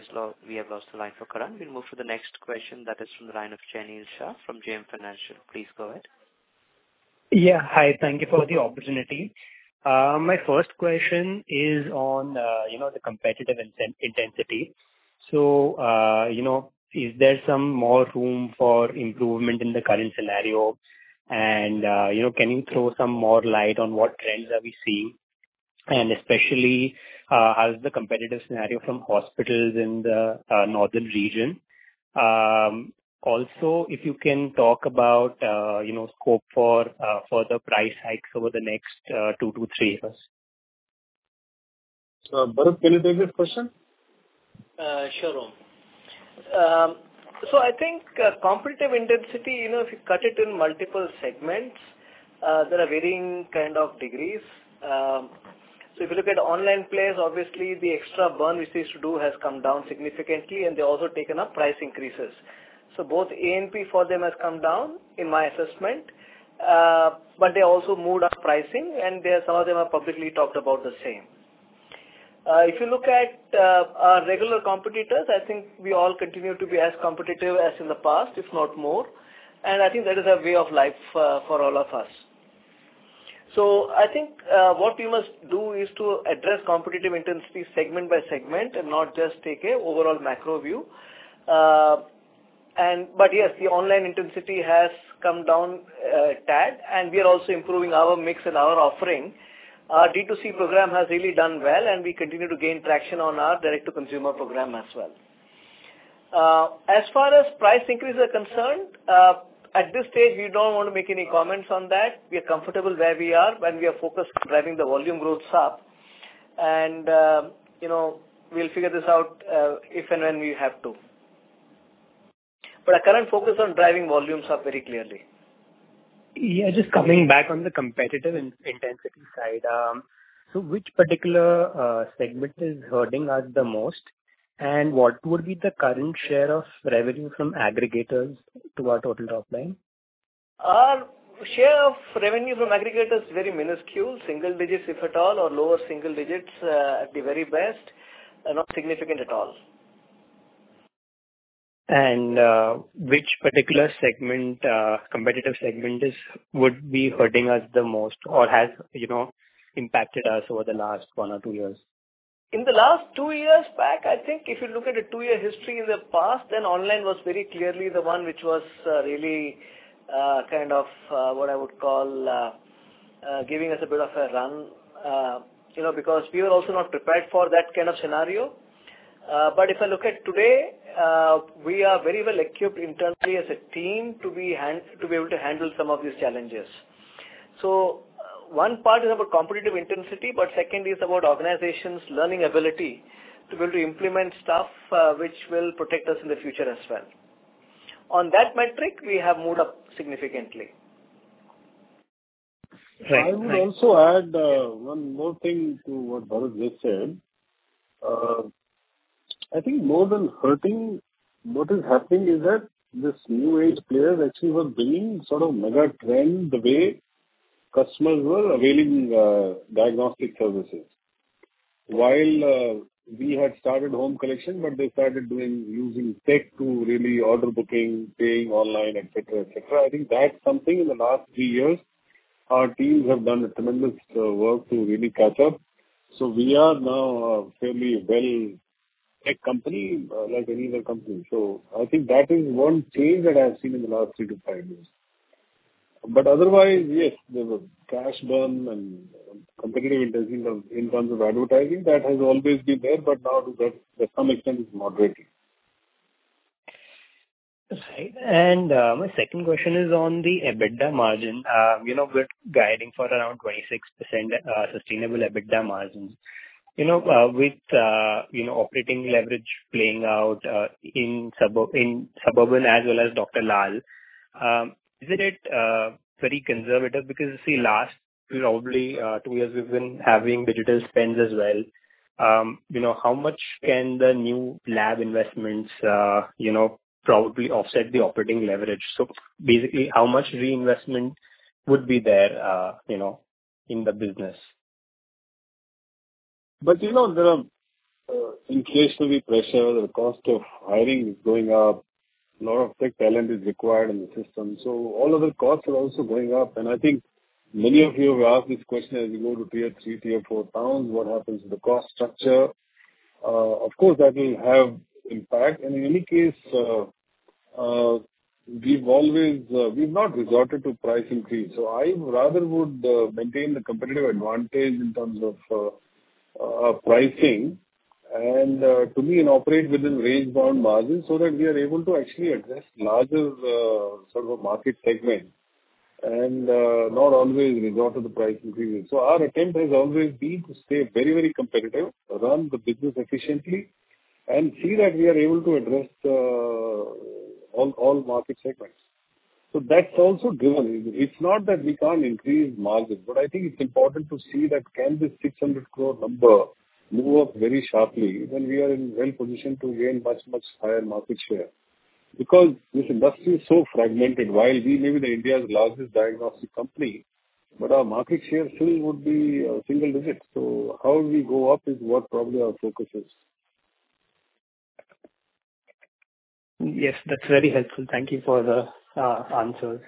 have lost the line for Karan. We'll move to the next question that is from the line of Jainil Shah from JM Financial. Please go ahead. Yeah. Hi, thank you for the opportunity. My first question is on, you know, the competitive intensity. So, you know, is there some more room for improvement in the current scenario? And, you know, can you throw some more light on what trends are we seeing, and especially, how is the competitive scenario from hospitals in the northern region? Also, if you can talk about, you know, scope for further price hikes over the next two-three years. Bharath, can you take this question? Sure, Om. So I think competitive intensity, you know, if you cut it in multiple segments, there are varying kind of degrees. So if you look at online players, obviously the extra burn which they used to do has come down significantly, and they've also taken up price increases. So both ANP for them has come down, in my assessment, but they also moved up pricing, and they are, some of them have publicly talked about the same. If you look at our regular competitors, I think we all continue to be as competitive as in the past, if not more, and I think that is a way of life for all of us. So I think what we must do is to address competitive intensity segment by segment and not just take a overall macro view. Yes, the online intensity has come down a tad, and we are also improving our mix and our offering. Our D2C program has really done well, and we continue to gain traction on our direct-to-consumer program as well. As far as price increase are concerned, at this stage, we don't want to make any comments on that. We are comfortable where we are, and we are focused on driving the volume growths up. And, you know, we'll figure this out, if and when we have to. But our current focus on driving volumes are very clearly. Yeah, just coming back on the competitive intensity side. So which particular segment is hurting us the most? And what would be the current share of revenue from aggregators to our total top line? Our share of revenue from aggregators is very minuscule. Single digits, if at all, or lower single digits, at the very best, and not significant at all. Which particular segment, competitive segment is, would be hurting us the most or has, you know, impacted us over the last one or two years? In the last two years back, I think if you look at the two-year history in the past, then online was very clearly the one which was, really, kind of, what I would call, giving us a bit of a run, you know, because we were also not prepared for that kind of scenario. But if I look at today, we are very well equipped internally as a team to be able to handle some of these challenges. So one part is about competitive intensity, but second is about organization's learning ability to be able to implement stuff, which will protect us in the future as well. On that metric, we have moved up significantly. Right, thanks. I would also add, one more thing to what Bharath just said. I think more than hurting, what is happening is that this new age players actually were bringing sort of mega trend, the way customers were availing, diagnostic services. While, we had started home collection, but they started doing, using tech to really order booking, paying online, et cetera, et cetera. I think that's something in the last three years, our teams have done a tremendous, work to really catch up. So we are now a fairly well tech company, like any other company. So I think that is one change that I have seen in the last three to five years. But otherwise, yes, there was cash burn and competitive intensity in, in terms of advertising, that has always been there, but now that, to some extent, is moderating. Right. And, my second question is on the EBITDA margin. You know, we're guiding for around 26% sustainable EBITDA margins. You know, with, you know, operating leverage playing out in Suburban as well as Dr. Lal, isn't it very conservative? Because, you see, last probably two years, we've been having digital spends as well. You know, how much can the new lab investments, you know, probably offset the operating leverage? So basically, how much reinvestment would be there, you know, in the business? But, you know, there are inflationary pressure, the cost of hiring is going up, a lot of tech talent is required in the system, so all of the costs are also going up. And I think many of you have asked this question, as you go to Tier 3, Tier 4 towns, what happens to the cost structure? Of course, that will have impact. And in any case, we've always... we've not resorted to price increase. So I rather would maintain the competitive advantage in terms of pricing, and, to me, and operate within range-bound margins, so that we are able to actually address larger sort of a market segment, and not always resort to the price increases. So our attempt has always been to stay very, very competitive, run the business efficiently, and see that we are able to address, all, all market segments. So that's also driven. It's not that we can't increase margins, but I think it's important to see that can this 600 crore number move up very sharply, when we are in well position to gain much, much higher market share?... Because this industry is so fragmented, while we may be the India's largest diagnostic company, but our market share still would be, single digits. So how we go up is what probably our focus is. Yes, that's very helpful. Thank you for the answers.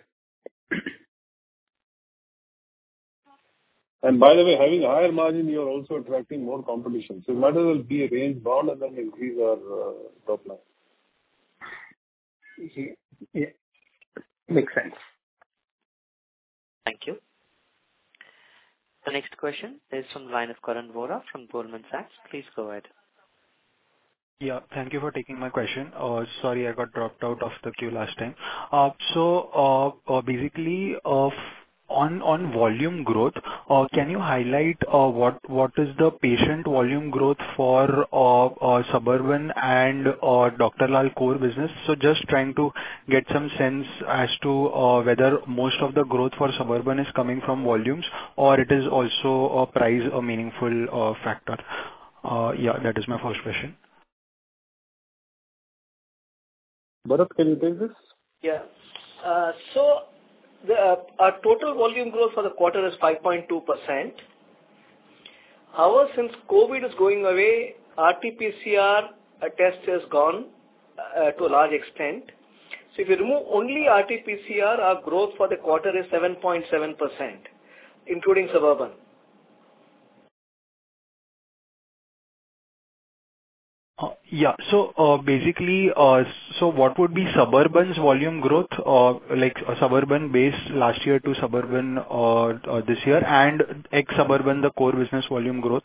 By the way, having a higher margin, you're also attracting more competition. Might as well be range-bound and then increase our top line. Okay. Yeah, makes sense. Thank you. The next question is from the line of Karan Vora from Goldman Sachs. Please go ahead. Yeah, thank you for taking my question. Sorry, I got dropped out of the queue last time. So, basically, on volume growth, can you highlight what is the patient volume growth for Suburban and Dr. Lal core business? So just trying to get some sense as to whether most of the growth for Suburban is coming from volumes or it is also a price or meaningful factor. Yeah, that is my first question. Bharath, can you take this? Yeah. So our total volume growth for the quarter is 5.2%. However, since COVID is going away, RT-PCR test has gone to a large extent. So if you remove only RT-PCR, our growth for the quarter is 7.7%, including Suburban. Yeah. So, basically, so what would be Suburban's volume growth? Or, like, Suburban base last year to Suburban, this year, and ex-Suburban, the core business volume growth?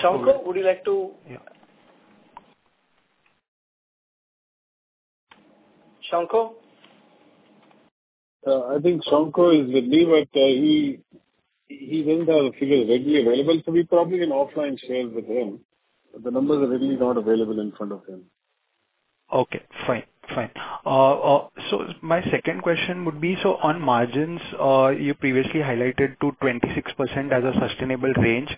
Shankha, would you like to- Yeah. Shankha? I think Shankha is with me, but he doesn't have figures readily available, so we probably can offline share with him. The numbers are really not available in front of him. Okay, fine. Fine. So my second question would be, so on margins, you previously highlighted to 26% as a sustainable range.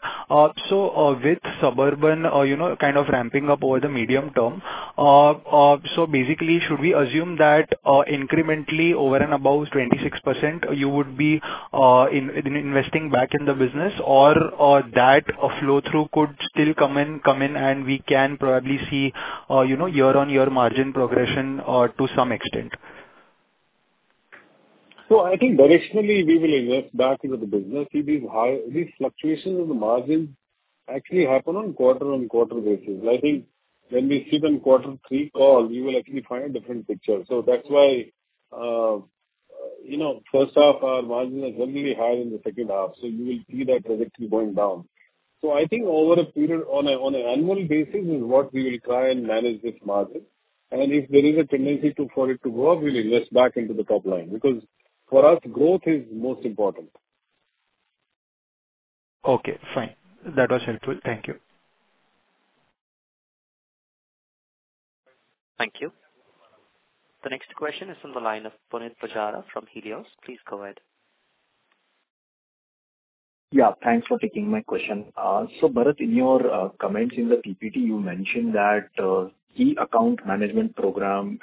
So, with Suburban, you know, kind of ramping up over the medium term, so basically, should we assume that, incrementally over and above 26%, you would be, in, investing back in the business? Or, or that flow-through could still come in, come in, and we can probably see, you know, year-on-year margin progression, to some extent. So I think directionally, we will invest back into the business. See, these fluctuations in the margin actually happen on a quarter-on-quarter basis. I think when we sit on quarter three call, we will actually find a different picture. So that's why, you know, first half, our margin is generally higher in the second half, so you will see that trajectory going down. So I think over a period, on an annual basis, is what we will try and manage this margin. And if there is a tendency to, for it to go up, we'll invest back into the top line, because for us, growth is most important. Okay, fine. That was helpful. Thank you. Thank you. The next question is from the line of Punit Pujara from Helios. Please go ahead. Yeah, thanks for taking my question. So, Bharath, in your comments in the PPT, you mentioned that key account management program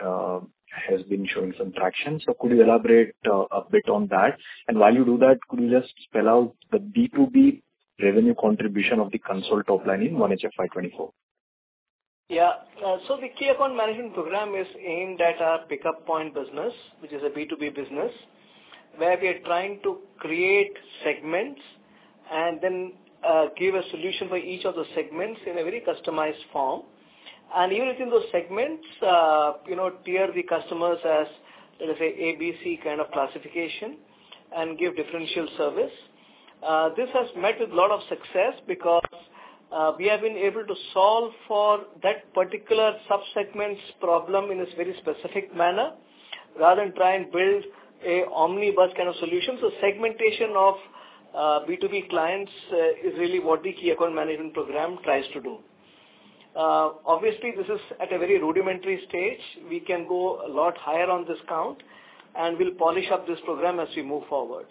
has been showing some traction. So could you elaborate a bit on that? And while you do that, could you just spell out the B2B revenue contribution of the consolidated top line in 1H FY 2024? Yeah. So the key account management program is aimed at our pickup point business, which is a B2B business, where we are trying to create segments and then, give a solution for each of the segments in a very customized form. And even within those segments, you know, tier the customers as, let us say, A, B, C kind of classification and give differential service. This has met with a lot of success because, we have been able to solve for that particular sub-segments problem in a very specific manner, rather than try and build a omnibus kind of solution. So segmentation of, B2B clients, is really what the key account management program tries to do. Obviously, this is at a very rudimentary stage. We can go a lot higher on this count, and we'll polish up this program as we move forward.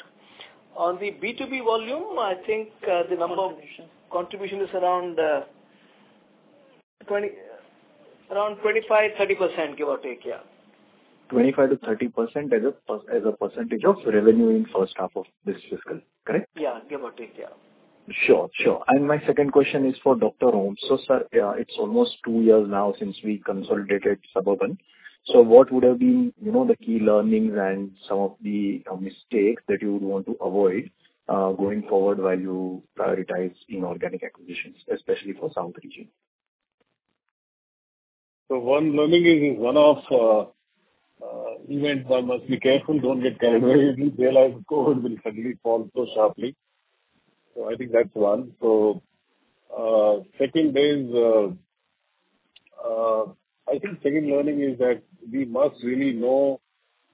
On the B2B volume, I think, the number of contribution is around 25%-30%, give or take. Yeah. 25%-30% as a, as a percentage of revenue in first half of this fiscal. Correct? Yeah. Give or take. Yeah. Sure. Sure. My second question is for Dr. Om. So, sir, it's almost two years now since we consolidated Suburban. So what would have been, you know, the key learnings and some of the mistakes that you would want to avoid, going forward while you prioritize inorganic acquisitions, especially for South Region? One learning is, one of events, one must be careful, don't get carried away. We realize COVID will suddenly fall so sharply. I think that's one. Second is, I think second learning is that we must really know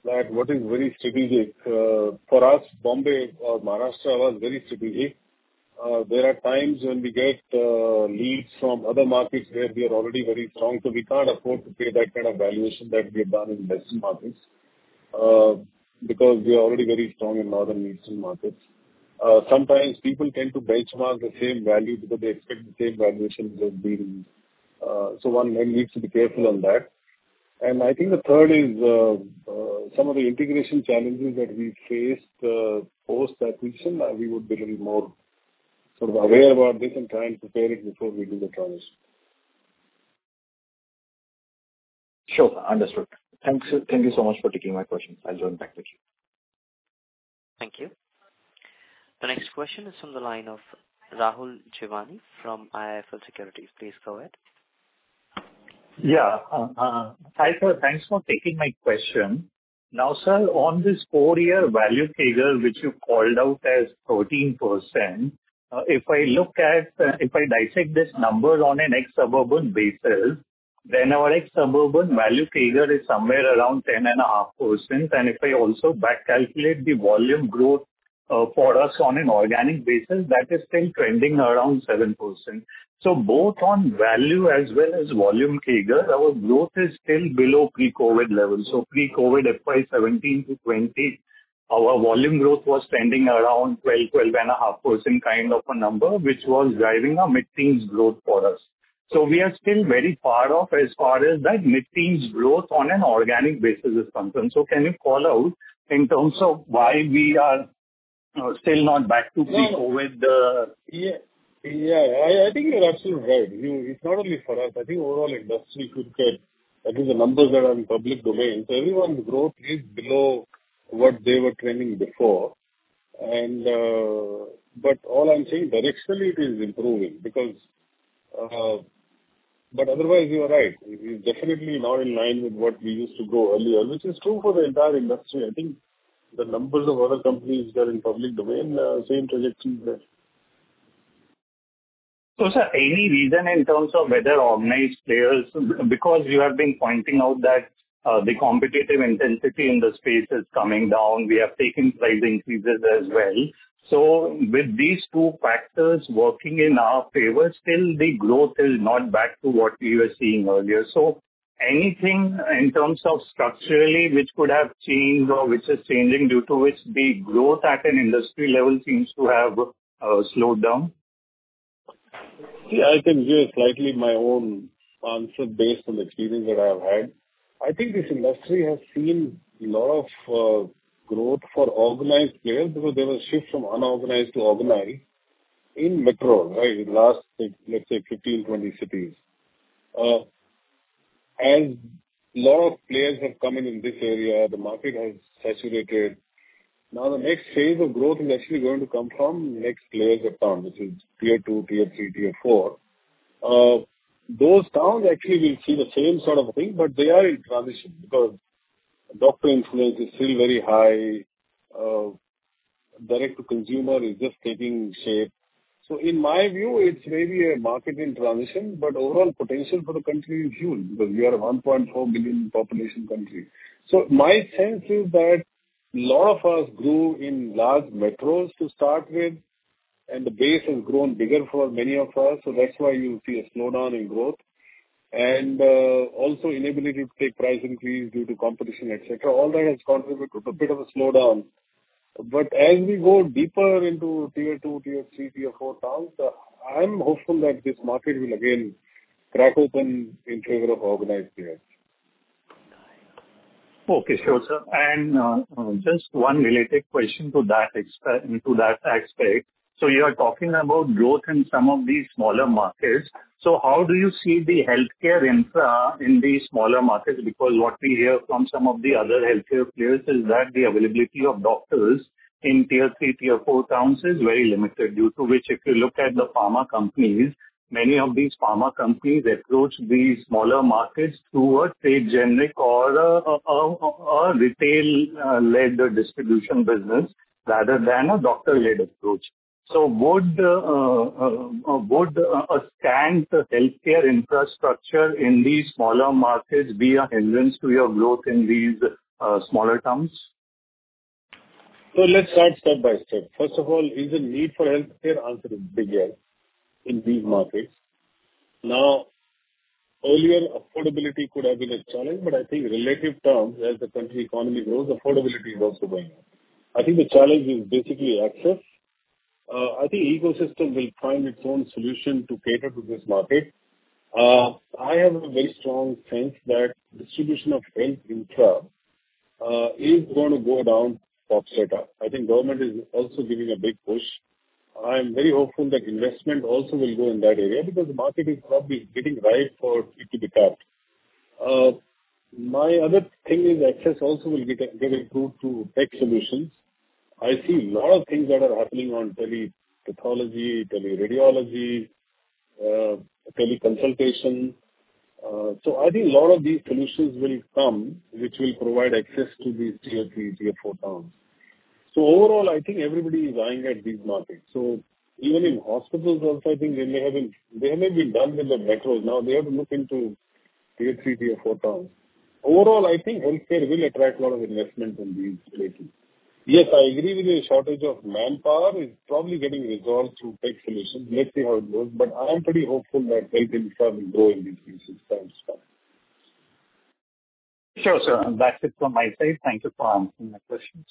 what is very strategic. For us, Bombay or Maharashtra was very strategic. There are times when we get leads from other markets where we are already very strong, so we can't afford to pay that kind of valuation that we have done in best markets, because we are already very strong in northern and eastern markets. Sometimes people tend to benchmark the same value because they expect the same valuation as being, so one then needs to be careful on that. I think the third is, some of the integration challenges that we faced, post acquisition, we would be a little more sort of aware about this and try and prepare it before we do the transition. Sure, understood. Thanks. Thank you so much for taking my questions. I'll join back with you. Thank you. The next question is from the line of Rahul Jeewani from IIFL Securities. Please go ahead. Yeah. Hi, sir, thanks for taking my question. Now, sir, on this four-year value figure, which you called out as 14%, if I look at, if I dissect this number on an ex-Suburban basis, then our ex-Suburban value figure is somewhere around 10.5%. And if I also back calculate the volume growth, for us on an organic basis, that is still trending around 7%. So both on value as well as volume figure, our growth is still below pre-COVID levels. So pre-COVID, FY 2017 to 2020, our volume growth was trending around 12, 12.5% kind of a number, which was driving a mid-teens growth for us. So we are still very far off as far as that mid-teens growth on an organic basis is concerned. Can you call out in terms of why we are still not back to pre-COVID? Yeah. Yeah, I think you're absolutely right. It's not only for us. I think overall industry could get. I think the numbers are in public domain, so everyone's growth is below what they were trending before. But all I'm saying, directionally, it is improving because. But otherwise, you are right. We're definitely not in line with what we used to grow earlier, which is true for the entire industry. I think the numbers of other companies that are in public domain, same trajectory there. So, sir, any reason in terms of whether organized players, because you have been pointing out that the competitive intensity in the space is coming down, we have taken price increases as well. So with these two factors working in our favor, still the growth is not back to what we were seeing earlier. So anything in terms of structurally which could have changed or which is changing, due to which the growth at an industry level seems to have slowed down? Yeah, I can give slightly my own answer based on the experience that I have had. I think this industry has seen a lot of growth for organized players because there was shift from unorganized to organized in metro, right? In last, let's say, 15, 20 cities. As a lot of players have come in in this area, the market has saturated. Now, the next phase of growth is actually going to come from next layers of town, which is Tier 2, Tier 3, Tier 4. Those towns actually will see the same sort of thing, but they are in transition because doctor influence is still very high, direct to consumer is just taking shape. So in my view, it's maybe a market in transition, but overall potential for the country is huge because we are a 1.4 billion population country. So my sense is that a lot of us grew in large metros to start with, and the base has grown bigger for many of us, so that's why you see a slowdown in growth. And, also inability to take price increase due to competition, et cetera. All that has contributed to a bit of a slowdown. But as we go deeper into Tier 2, Tier 3, Tier 4 towns, I'm hopeful that this market will again crack open in favor of organized players. Okay. Sure, sir. And just one related question to that aspect. So you are talking about growth in some of these smaller markets. So how do you see the healthcare infra in these smaller markets? Because what we hear from some of the other healthcare players is that the availability of doctors in Tier 3, Tier 4 towns is very limited, due to which, if you look at the pharma companies, many of these pharma companies approach these smaller markets through a trade generic or a retail-led distribution business rather than a doctor-led approach. So would a scant healthcare infrastructure in these smaller markets be a hindrance to your growth in these smaller towns? So let's start step by step. First of all, is the need for healthcare also bigger in these markets? Now, earlier, affordability could have been a challenge, but I think relative terms, as the country economy grows, affordability is also going up. I think the challenge is basically access. I think ecosystem will find its own solution to cater to this market. I have a very strong sense that distribution of health infra is going to go down box setup. I think government is also giving a big push. I'm very hopeful that investment also will go in that area, because the market is probably getting ripe for it to be tapped. My other thing is access also will get improved through tech solutions. I see a lot of things that are happening on telepathology, teleradiology, teleconsultation. So I think a lot of these solutions will come, which will provide access to these Tier 3, Tier 4 towns. So overall, I think everybody is eyeing at these markets. So even in hospitals also, I think they may be done with the metros. Now they have to look into Tier 3, Tier 4 towns. Overall, I think healthcare will attract a lot of investment in these places. Yes, I agree with you, shortage of manpower is probably getting resolved through tech solutions. Let's see how it goes, but I'm pretty hopeful that health infra will grow in these places. Thanks, sir. Sure, sir. That's it from my side. Thank you for answering my questions.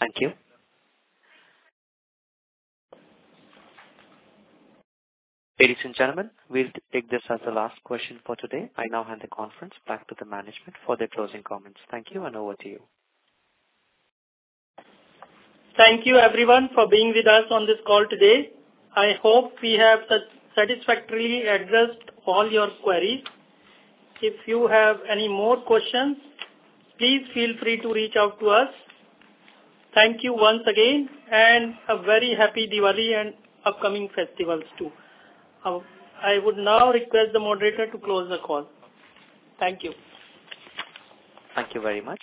Thank you. Ladies and gentlemen, we'll take this as the last question for today. I now hand the conference back to the management for their closing comments. Thank you, and over to you. Thank you, everyone, for being with us on this call today. I hope we have satisfactorily addressed all your queries. If you have any more questions, please feel free to reach out to us. Thank you once again, and a very happy Diwali and upcoming festivals, too. I would now request the moderator to close the call. Thank you. Thank you very much.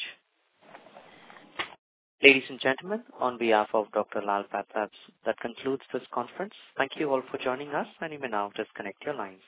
Ladies and gentlemen, on behalf of Dr. Lal PathLabs, that concludes this conference. Thank you all for joining us, and you may now disconnect your lines.